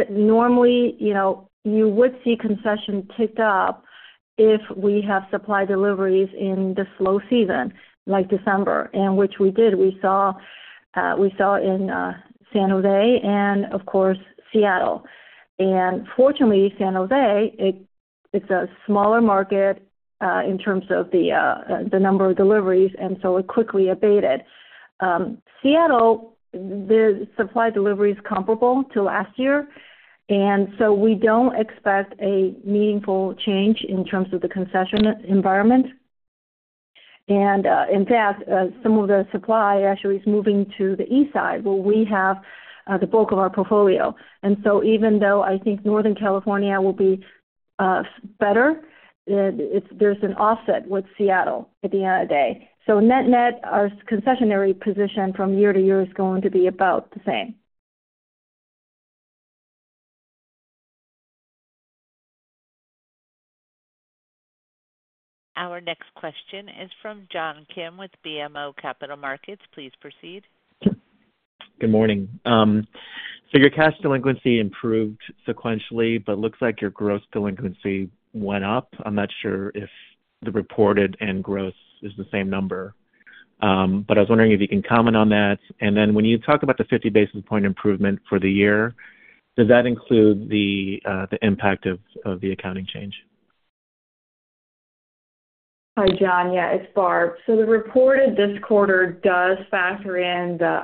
normally, you would see concession ticked up if we have supply deliveries in the slow season like December, which we did. We saw in San Jose and, of course, Seattle. And fortunately, San Jose, it's a smaller market in terms of the number of deliveries, and so it quickly abated. Seattle, the supply delivery is comparable to last year, and so we don't expect a meaningful change in terms of the concession environment. And in fact, some of the supply actually is moving to the east side where we have the bulk of our portfolio. And so even though I think Northern California will be better, there's an offset with Seattle at the end of the day. So net-net, our concessionary position from year to year is going to be about the same. Our next question is from John Kim with BMO Capital Markets. Please proceed. Good morning. So your cash delinquency improved sequentially, but it looks like your gross delinquency went up. I'm not sure if the reported and gross is the same number, but I was wondering if you can comment on that, and then when you talk about the 50 basis points improvement for the year, does that include the impact of the accounting change? Hi, John. Yeah, it's Barb. So the reported this quarter does factor in the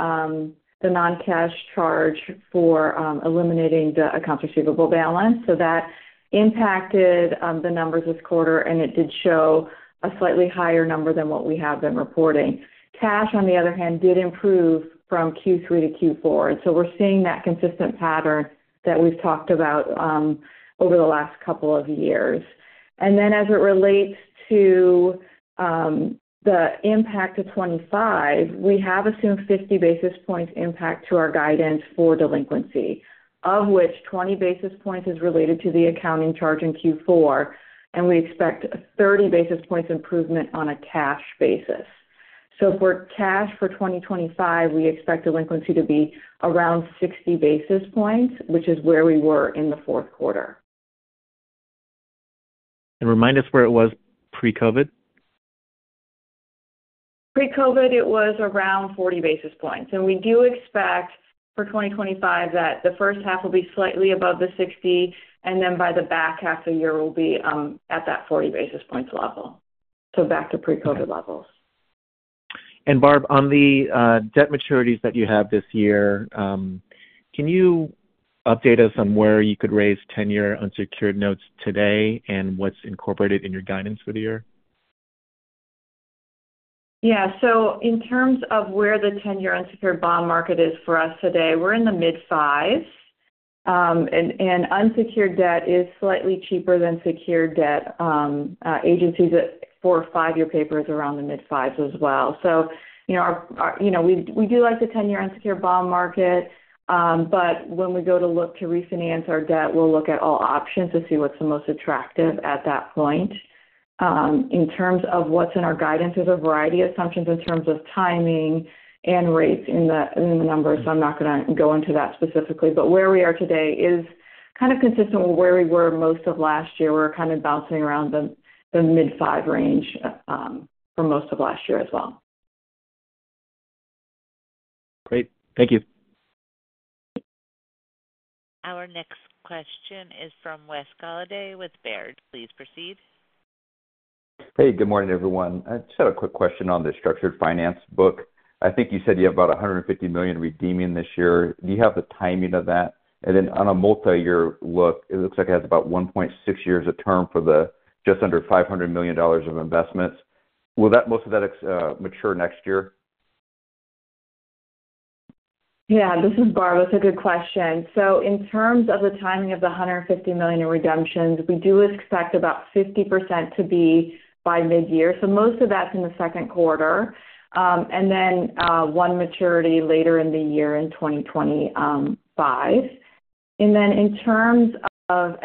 non-cash charge for eliminating the accounts receivable balance. So that impacted the numbers this quarter, and it did show a slightly higher number than what we have been reporting. Cash, on the other hand, did improve from Q3 to Q4, and so we're seeing that consistent pattern that we've talked about over the last couple of years, and then as it relates to the impact of 2025, we have assumed 50 basis points impact to our guidance for delinquency, of which 20 basis points is related to the accounting charge in Q4, and we expect 30 basis points improvement on a cash basis, so for cash for 2025, we expect delinquency to be around 60 basis points, which is where we were in the fourth quarter. Remind us where it was pre-COVID. Pre-COVID, it was around 40 basis points, and we do expect for 2025 that the first half will be slightly above the 60, and then by the back half of the year, we'll be at that 40 basis points level, so back to pre-COVID levels. Barb, on the debt maturities that you have this year, can you update us on where you could raise ten-year unsecured notes today and what's incorporated in your guidance for the year? Yeah. So in terms of where the ten-year unsecured bond market is for us today, we're in the mid-5s, and unsecured debt is slightly cheaper than secured debt. Agencies for five-year papers are around the mid-5s as well. So we do like the ten-year unsecured bond market, but when we go to look to refinance our debt, we'll look at all options to see what's the most attractive at that point. In terms of what's in our guidance, there's a variety of assumptions in terms of timing and rates in the numbers, so I'm not going to go into that specifically. But where we are today is kind of consistent with where we were most of last year. We're kind of bouncing around the mid-5 range for most of last year as well. Great. Thank you. Our next question is from Wes Golladay with Baird. Please proceed. Hey, good morning, everyone. I just had a quick question on the structured finance book. I think you said you have about $150 million redeeming this year. Do you have the timing of that? And then on a multi-year look, it looks like it has about 1.6 years of term for the just under $500 million of investments. Will most of that mature next year? Yeah. This is Barb. That's a good question. So in terms of the timing of the $150 million in redemptions, we do expect about 50% to be by mid-year. So most of that's in the second quarter. And then one maturity later in the year in 2025. And then in terms of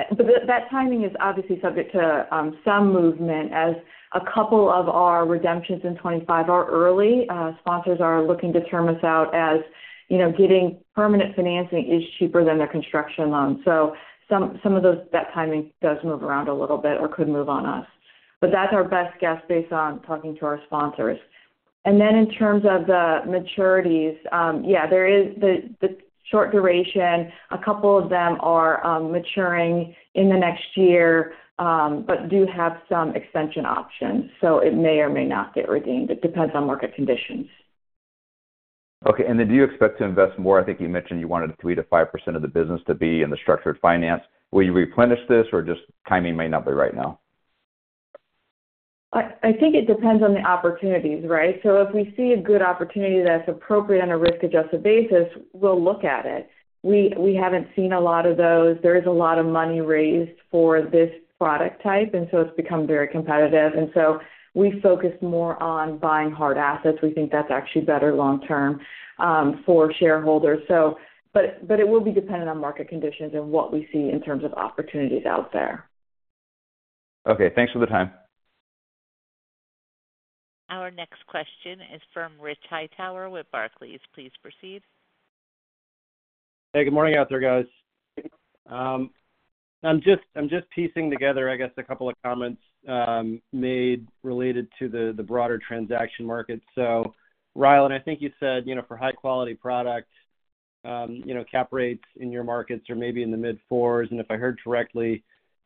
that timing is obviously subject to some movement as a couple of our redemptions in 2025 are early. Sponsors are looking to term us out as getting permanent financing is cheaper than their construction loan. So some of that timing does move around a little bit or could move on us. But that's our best guess based on talking to our sponsors. And then in terms of the maturities, yeah, there is the short duration. A couple of them are maturing in the next year but do have some extension options. It may or may not get redeemed. It depends on market conditions. Okay. And then, do you expect to invest more? I think you mentioned you wanted 3%-5% of the business to be in Structured Finance. Will you replenish this, or just timing may not be right now? I think it depends on the opportunities, right? So if we see a good opportunity that's appropriate on a risk-adjusted basis, we'll look at it. We haven't seen a lot of those. There is a lot of money raised for this product type, and so it's become very competitive. And so we focus more on buying hard assets. We think that's actually better long-term for shareholders. But it will be dependent on market conditions and what we see in terms of opportunities out there. Okay. Thanks for the time. Our next question is from Rich Hightower with Barclays. Please proceed. Hey, good morning out there, guys. I'm just piecing together, I guess, a couple of comments made related to the broader transaction market. So Rylan, I think you said for high-quality product, cap rates in your markets are maybe in the mid-4s. And if I heard correctly,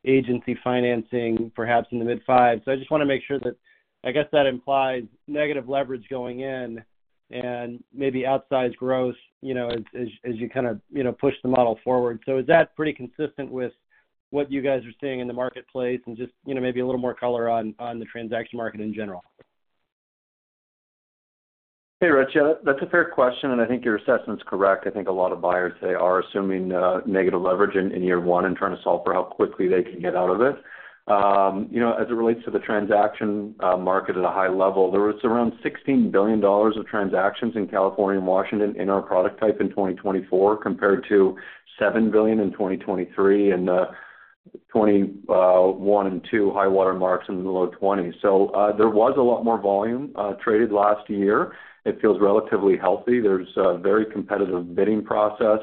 agency financing perhaps in the mid-5s. So I just want to make sure that I guess that implies negative leverage going in and maybe outsized growth as you kind of push the model forward. So is that pretty consistent with what you guys are seeing in the marketplace and just maybe a little more color on the transaction market in general? Hey, Rich. That's a fair question, and I think your assessment's correct. I think a lot of buyers today are assuming negative leverage in year one and trying to solve for how quickly they can get out of it. As it relates to the transaction market at a high level, there was around $16 billion of transactions in California and Washington in our product type in 2024 compared to $7 billion in 2023 and the 2021 and 2022 high watermarks in the low 20s. So there was a lot more volume traded last year. It feels relatively healthy. There's a very competitive bidding process,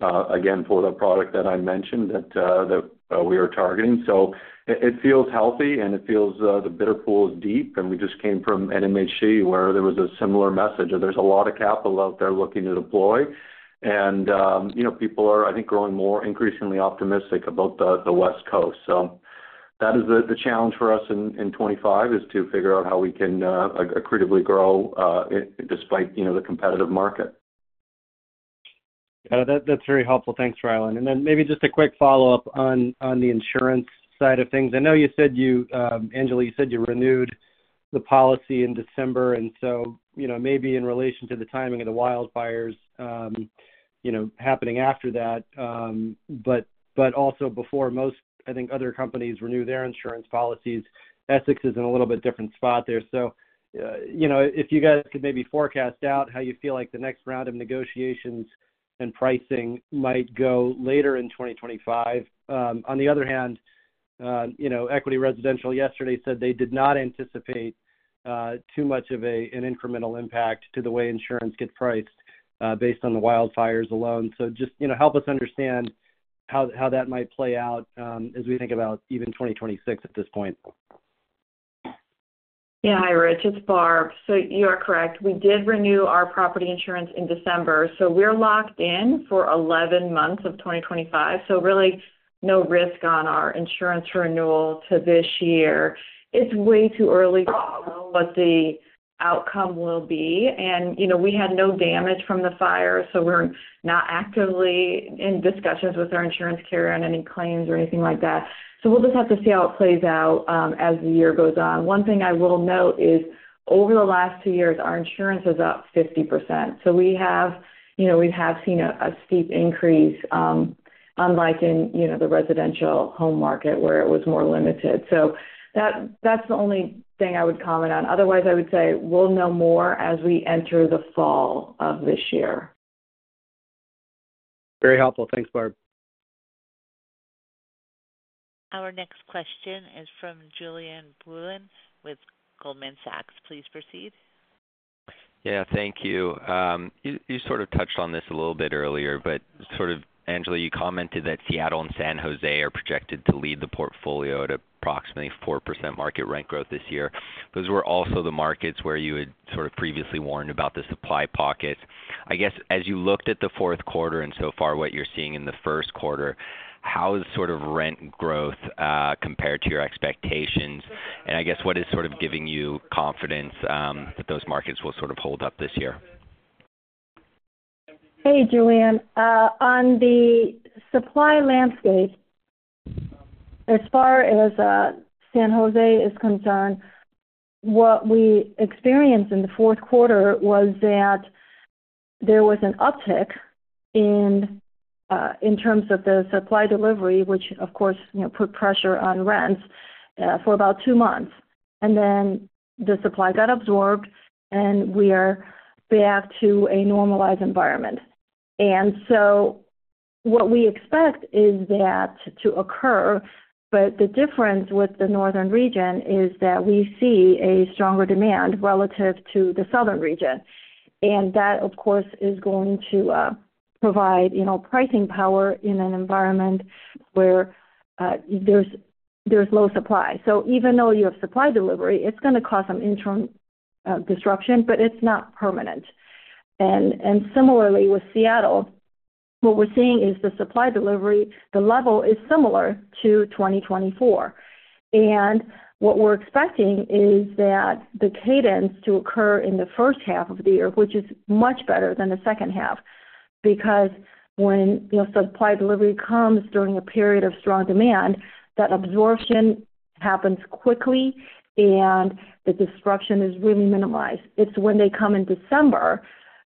again, for the product that I mentioned that we are targeting. So it feels healthy, and it feels the bidder pool is deep. And we just came from NMHC where there was a similar message that there's a lot of capital out there looking to deploy. People are, I think, growing more increasingly optimistic about the West Coast. That is the challenge for us in 2025 is to figure out how we can accretively grow despite the competitive market. That's very helpful. Thanks, Rylan. And then maybe just a quick follow-up on the insurance side of things. I know you said you, Angela, you said you renewed the policy in December. And so maybe in relation to the timing of the wildfires happening after that, but also before most, I think, other companies renew their insurance policies, Essex is in a little bit different spot there. So if you guys could maybe forecast out how you feel like the next round of negotiations and pricing might go later in 2025. On the other hand, Equity Residential yesterday said they did not anticipate too much of an incremental impact to the way insurance gets priced based on the wildfires alone. So just help us understand how that might play out as we think about even 2026 at this point. Yeah, hi Rich. It's Barb. So you are correct. We did renew our property insurance in December. So we're locked in for 11 months of 2025. So really no risk on our insurance renewal to this year. It's way too early to know what the outcome will be. And we had no damage from the fire, so we're not actively in discussions with our insurance carrier on any claims or anything like that. So we'll just have to see how it plays out as the year goes on. One thing I will note is over the last two years, our insurance is up 50%. So we have seen a steep increase, unlike in the residential home market where it was more limited. So that's the only thing I would comment on. Otherwise, I would say we'll know more as we enter the fall of this year. Very helpful. Thanks, Barb. Our next question is from Juliane Braun with Goldman Sachs. Please proceed. Yeah, thank you. You sort of touched on this a little bit earlier, but sort of, Angela, you commented that Seattle and San Jose are projected to lead the portfolio at approximately 4% market rent growth this year. Those were also the markets where you had sort of previously warned about the supply pockets. I guess as you looked at the fourth quarter and so far what you're seeing in the first quarter, how is sort of rent growth compared to your expectations? And I guess what is sort of giving you confidence that those markets will sort of hold up this year? Hey, Juliane. On the supply landscape, as far as San Jose is concerned, what we experienced in the fourth quarter was that there was an uptick in terms of the supply delivery, which, of course, put pressure on rents for about two months, and then the supply got absorbed, and we are back to a normalized environment, and so what we expect is that to occur, but the difference with the northern region is that we see a stronger demand relative to the southern region, and that, of course, is going to provide pricing power in an environment where there's low supply, so even though you have supply delivery, it's going to cause some interim disruption, but it's not permanent, and similarly, with Seattle, what we're seeing is the supply delivery, the level is similar to 2024. And what we're expecting is that the cadence to occur in the first half of the year, which is much better than the second half, because when supply delivery comes during a period of strong demand, that absorption happens quickly, and the disruption is really minimized. It's when they come in December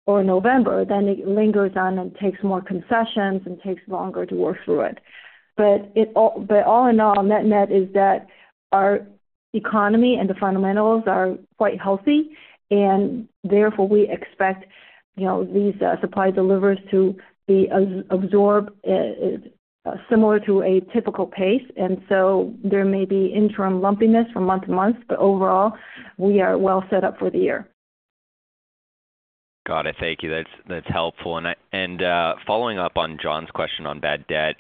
or November, then it lingers on and takes more concessions and takes longer to work through it. But all in all, net-net is that our economy and the fundamentals are quite healthy, and therefore we expect these supply delivers to be absorbed similar to a typical pace. And so there may be interim lumpiness from month to month, but overall, we are well set up for the year. Got it. Thank you. That's helpful. And following up on John's question on bad debt,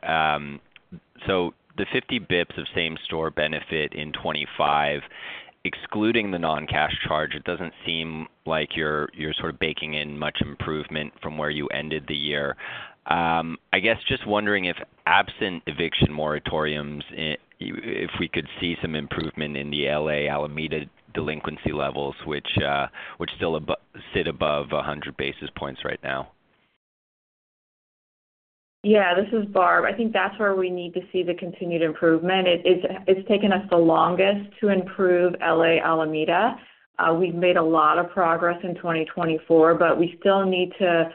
so the 50 basis points of same-store benefit in 2025, excluding the non-cash charge, it doesn't seem like you're sort of baking in much improvement from where you ended the year. I guess just wondering if absent eviction moratoriums, if we could see some improvement in the L.A. Alameda delinquency levels, which still sit above 100 basis points right now. Yeah, this is Barb. I think that's where we need to see the continued improvement. It's taken us the longest to improve L.A. and Alameda. We've made a lot of progress in 2024, but we still need to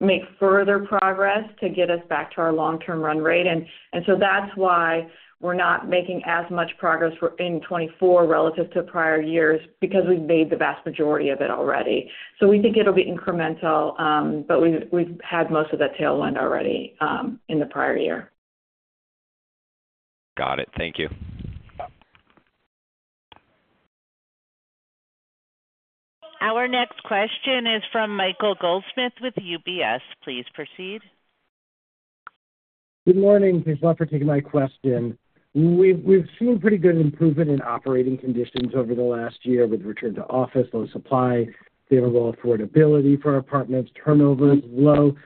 make further progress to get us back to our long-term run rate, and so that's why we're not making as much progress in 2024 relative to prior years because we've made the vast majority of it already, so we think it'll be incremental, but we've had most of that tailwind already in the prior year. Got it. Thank you. Our next question is from Michael Goldsmith with UBS. Please proceed. Good morning. Thanks a lot for taking my question. We've seen pretty good improvement in operating conditions over the last year with return to office, low supply, favorable affordability for apartments, turnovers low.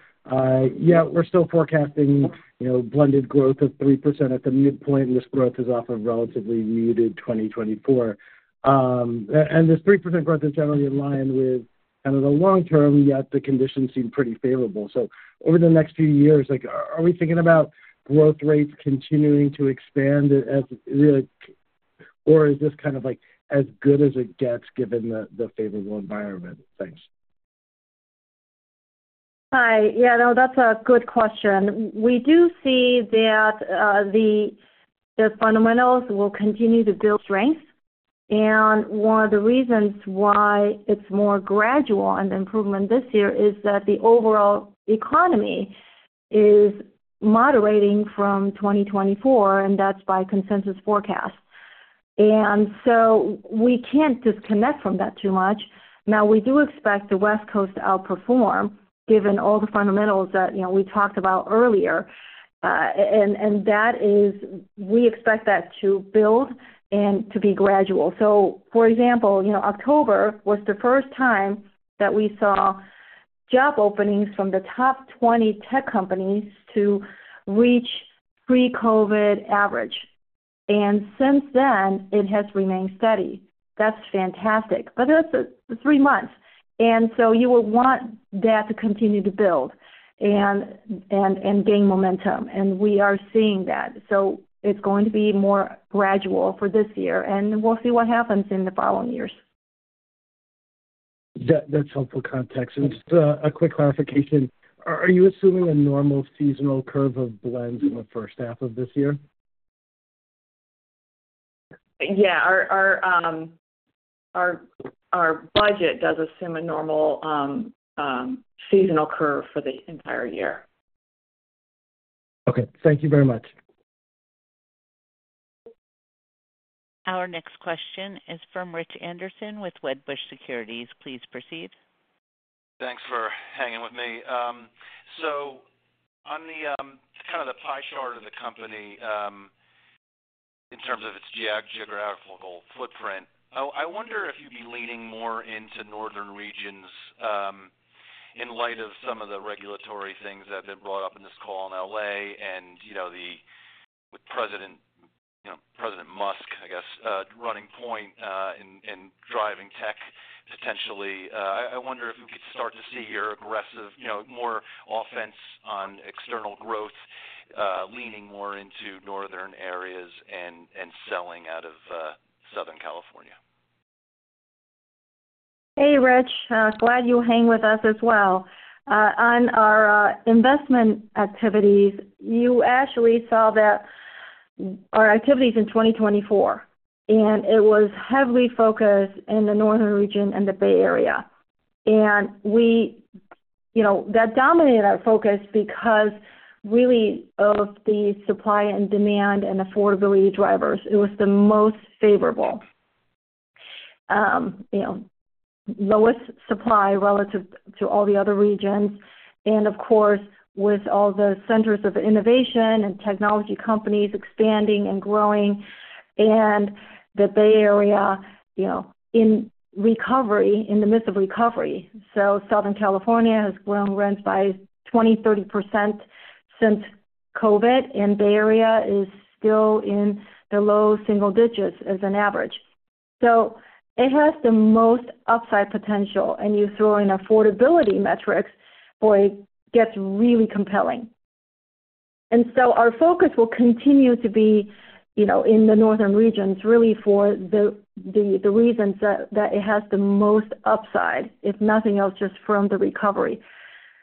Yeah, we're still forecasting blended growth of 3% at the midpoint, and this growth is off of relatively muted 2024. And this 3% growth is generally in line with kind of the long term, yet the conditions seem pretty favorable. So over the next few years, are we thinking about growth rates continuing to expand, or is this kind of as good as it gets given the favorable environment? Thanks. Hi. Yeah, no, that's a good question. We do see that the fundamentals will continue to build strength, and one of the reasons why it's more gradual an improvement this year is that the overall economy is moderating from 2024, and that's by consensus forecast. And so we can't disconnect from that too much. Now, we do expect the West Coast to outperform given all the fundamentals that we talked about earlier, and we expect that to build and to be gradual. So, for example, October was the first time that we saw job openings from the top 20 tech companies to reach pre-COVID average, and since then, it has remained steady. That's fantastic, but that's three months, and so you will want that to continue to build and gain momentum, and we are seeing that. So it's going to be more gradual for this year, and we'll see what happens in the following years. That's helpful context, and just a quick clarification. Are you assuming a normal seasonal curve of blends in the first half of this year? Yeah. Our budget does assume a normal seasonal curve for the entire year. Okay. Thank you very much. Our next question is from Rich Anderson with Wedbush Securities. Please proceed. Thanks for hanging with me. So on kind of the pie chart of the company in terms of its geographical footprint, I wonder if you'd be leaning more into northern regions in light of some of the regulatory things that have been brought up in this call on LA and with President Musk, I guess, running point and driving tech potentially. I wonder if we could start to see your aggressive, more offense on external growth leaning more into northern areas and selling out of Southern California. Hey, Rich. Glad you hang with us as well. On our investment activities, you actually saw that our activities in 2024, and it was heavily focused in the northern region and the Bay Area. And that dominated our focus because really of the supply and demand and affordability drivers. It was the most favorable, lowest supply relative to all the other regions. And of course, with all the centers of innovation and technology companies expanding and growing and the Bay Area in recovery, in the midst of recovery. So Southern California has grown rents by 20%-30% since COVID, and Bay Area is still in the low single digits as an average. So it has the most upside potential. And you throw in affordability metrics, boy, it gets really compelling. And so our focus will continue to be in the northern regions really for the reasons that it has the most upside, if nothing else, just from the recovery.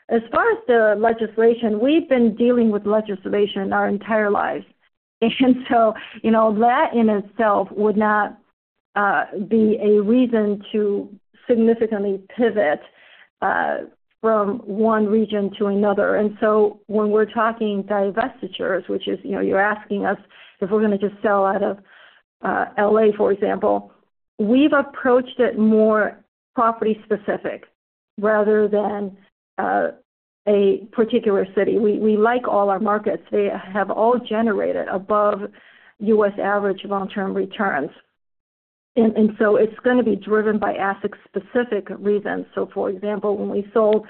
As far as the legislation, we've been dealing with legislation our entire lives. And so that in itself would not be a reason to significantly pivot from one region to another. And so when we're talking divestitures, which is you're asking us if we're going to just sell out of LA, for example, we've approached it more property-specific rather than a particular city. We like all our markets. They have all generated above U.S. average long-term returns. And so it's going to be driven by asset-specific reasons. So, for example, when we sold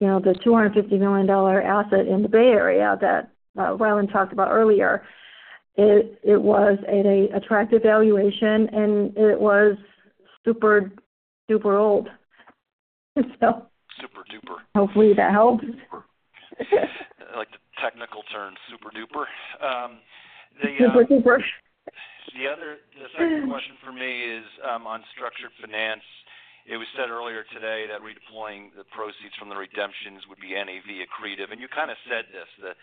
the $250 million asset in the Bay Area that Rylan talked about earlier, it was at an attractive valuation, and it was super-duper old. Super-duper. Hopefully, that helps. Super-duper. I like the technical term, super-duper. Super-duper. The second question for me is on structured finance. It was said earlier today that redeploying the proceeds from the redemptions would be NAV accretive. And you kind of said this, the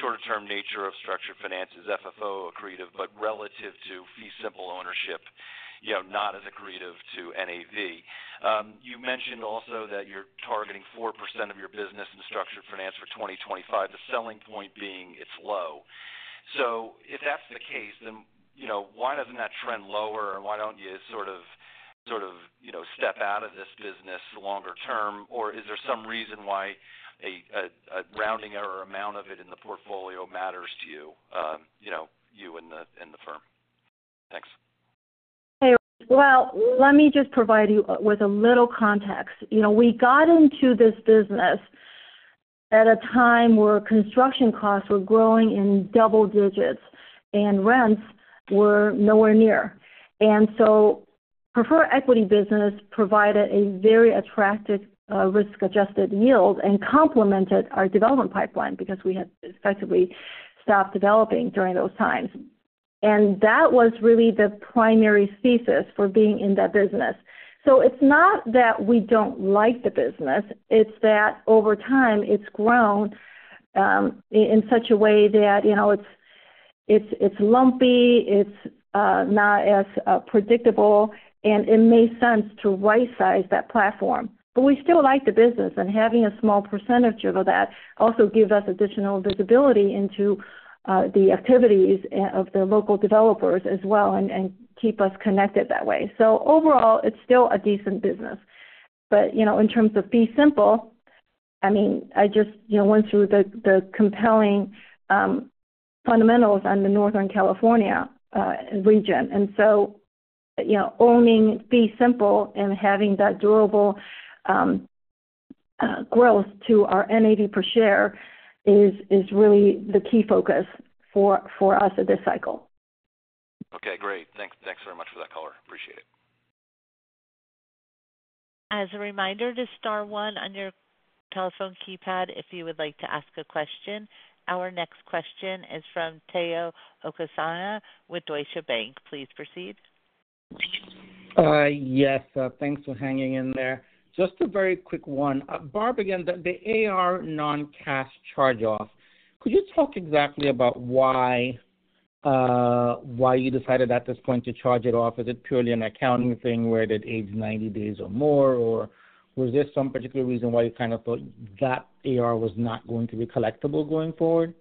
shorter-term nature of structured finance is FFO accretive, but relative to fee simple ownership, not as accretive to NAV. You mentioned also that you're targeting 4% of your business in structured finance for 2025, the selling point being it's low. So if that's the case, then why doesn't that trend lower? And why don't you sort of step out of this business longer term? Or is there some reason why a rounding error amount of it in the portfolio matters to you and the firm? Thanks. Hey, well, let me just provide you with a little context. We got into this business at a time where construction costs were growing in double digits and rents were nowhere near, and so preferred equity business provided a very attractive risk-adjusted yield and complemented our development pipeline because we had effectively stopped developing during those times, and that was really the primary thesis for being in that business, so it's not that we don't like the business. It's that over time, it's grown in such a way that it's lumpy, it's not as predictable, and it makes sense to right-size that platform, but we still like the business, and having a small percentage of that also gives us additional visibility into the activities of the local developers as well and keep us connected that way, so overall, it's still a decent business. But in terms of Fee Simple, I mean, I just went through the compelling fundamentals on the Northern California region. And so owning Fee Simple and having that durable growth to our NAV per share is really the key focus for us at this cycle. Okay. Great. Thanks very much for that color. Appreciate it. As a reminder, to star one on your telephone keypad if you would like to ask a question. Our next question is from Tayo Okusanya with Deutsche Bank. Please proceed. Yes. Thanks for hanging in there. Just a very quick one. Barb, again, the AR non-cash charge-off, could you talk exactly about why you decided at this point to charge it off? Is it purely an accounting thing where it aged 90 days or more? Or was there some particular reason why you kind of thought that AR was not going to be collectible going forward?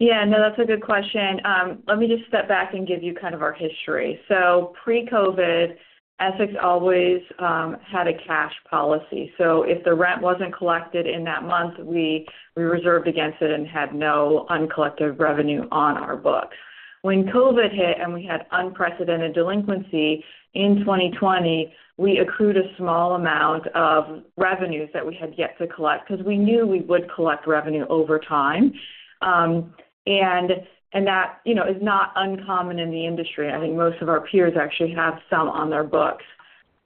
Yeah. No, that's a good question. Let me just step back and give you kind of our history. So pre-COVID, Essex always had a cash policy. So if the rent wasn't collected in that month, we reserved against it and had no uncollected revenue on our books. When COVID hit and we had unprecedented delinquency in 2020, we accrued a small amount of revenues that we had yet to collect because we knew we would collect revenue over time. And that is not uncommon in the industry. I think most of our peers actually have some on their books.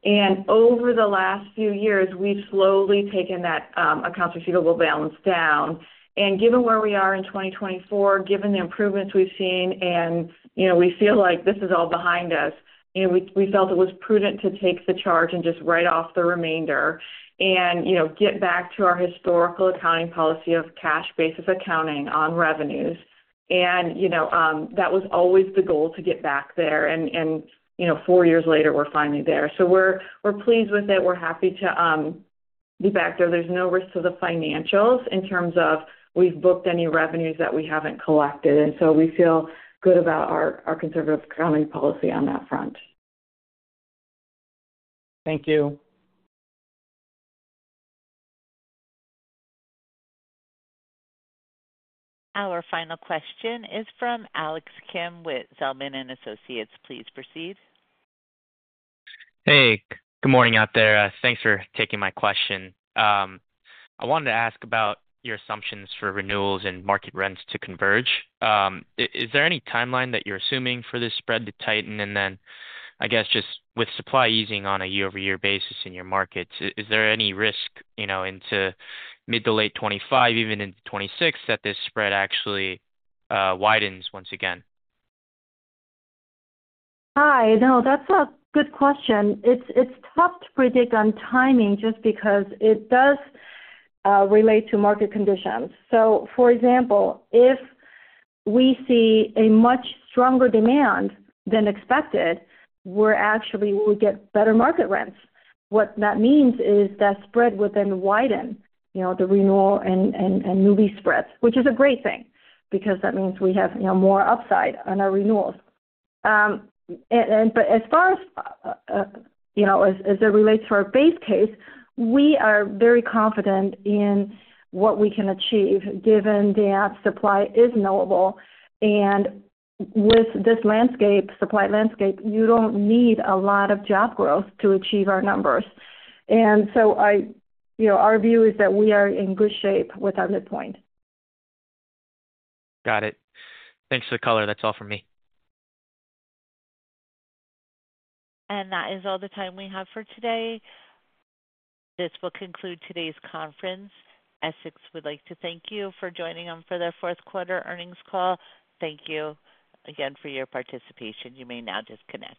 And over the last few years, we've slowly taken that accounts receivable balance down. And given where we are in 2024, given the improvements we've seen, and we feel like this is all behind us, we felt it was prudent to take the charge and just write off the remainder and get back to our historical accounting policy of cash-basis accounting on revenues. And that was always the goal to get back there. And four years later, we're finally there. So we're pleased with it. We're happy to be back there. There's no risk to the financials in terms of we've booked any revenues that we haven't collected. And so we feel good about our conservative accounting policy on that front. Thank you. Our final question is from Alex Kim with Zelman & Associates. Please proceed. Hey. Good morning out there. Thanks for taking my question. I wanted to ask about your assumptions for renewals and market rents to converge. Is there any timeline that you're assuming for this spread to tighten? And then, I guess, just with supply easing on a year-over-year basis in your markets, is there any risk into mid to late 2025, even into 2026, that this spread actually widens once again? Hi. No, that's a good question. It's tough to predict on timing just because it does relate to market conditions. So, for example, if we see a much stronger demand than expected, we actually will get better market rents. What that means is that spread would then widen, the renewal and new lease spreads, which is a great thing because that means we have more upside on our renewals. But as far as it relates to our base case, we are very confident in what we can achieve given that supply is knowable. And with this supply landscape, you don't need a lot of job growth to achieve our numbers. And so our view is that we are in good shape with our midpoint. Got it. Thanks for the color. That's all for me. And that is all the time we have for today. This will conclude today's conference. Essex would like to thank you for joining them for their fourth quarter earnings call. Thank you again for your participation. You may now disconnect.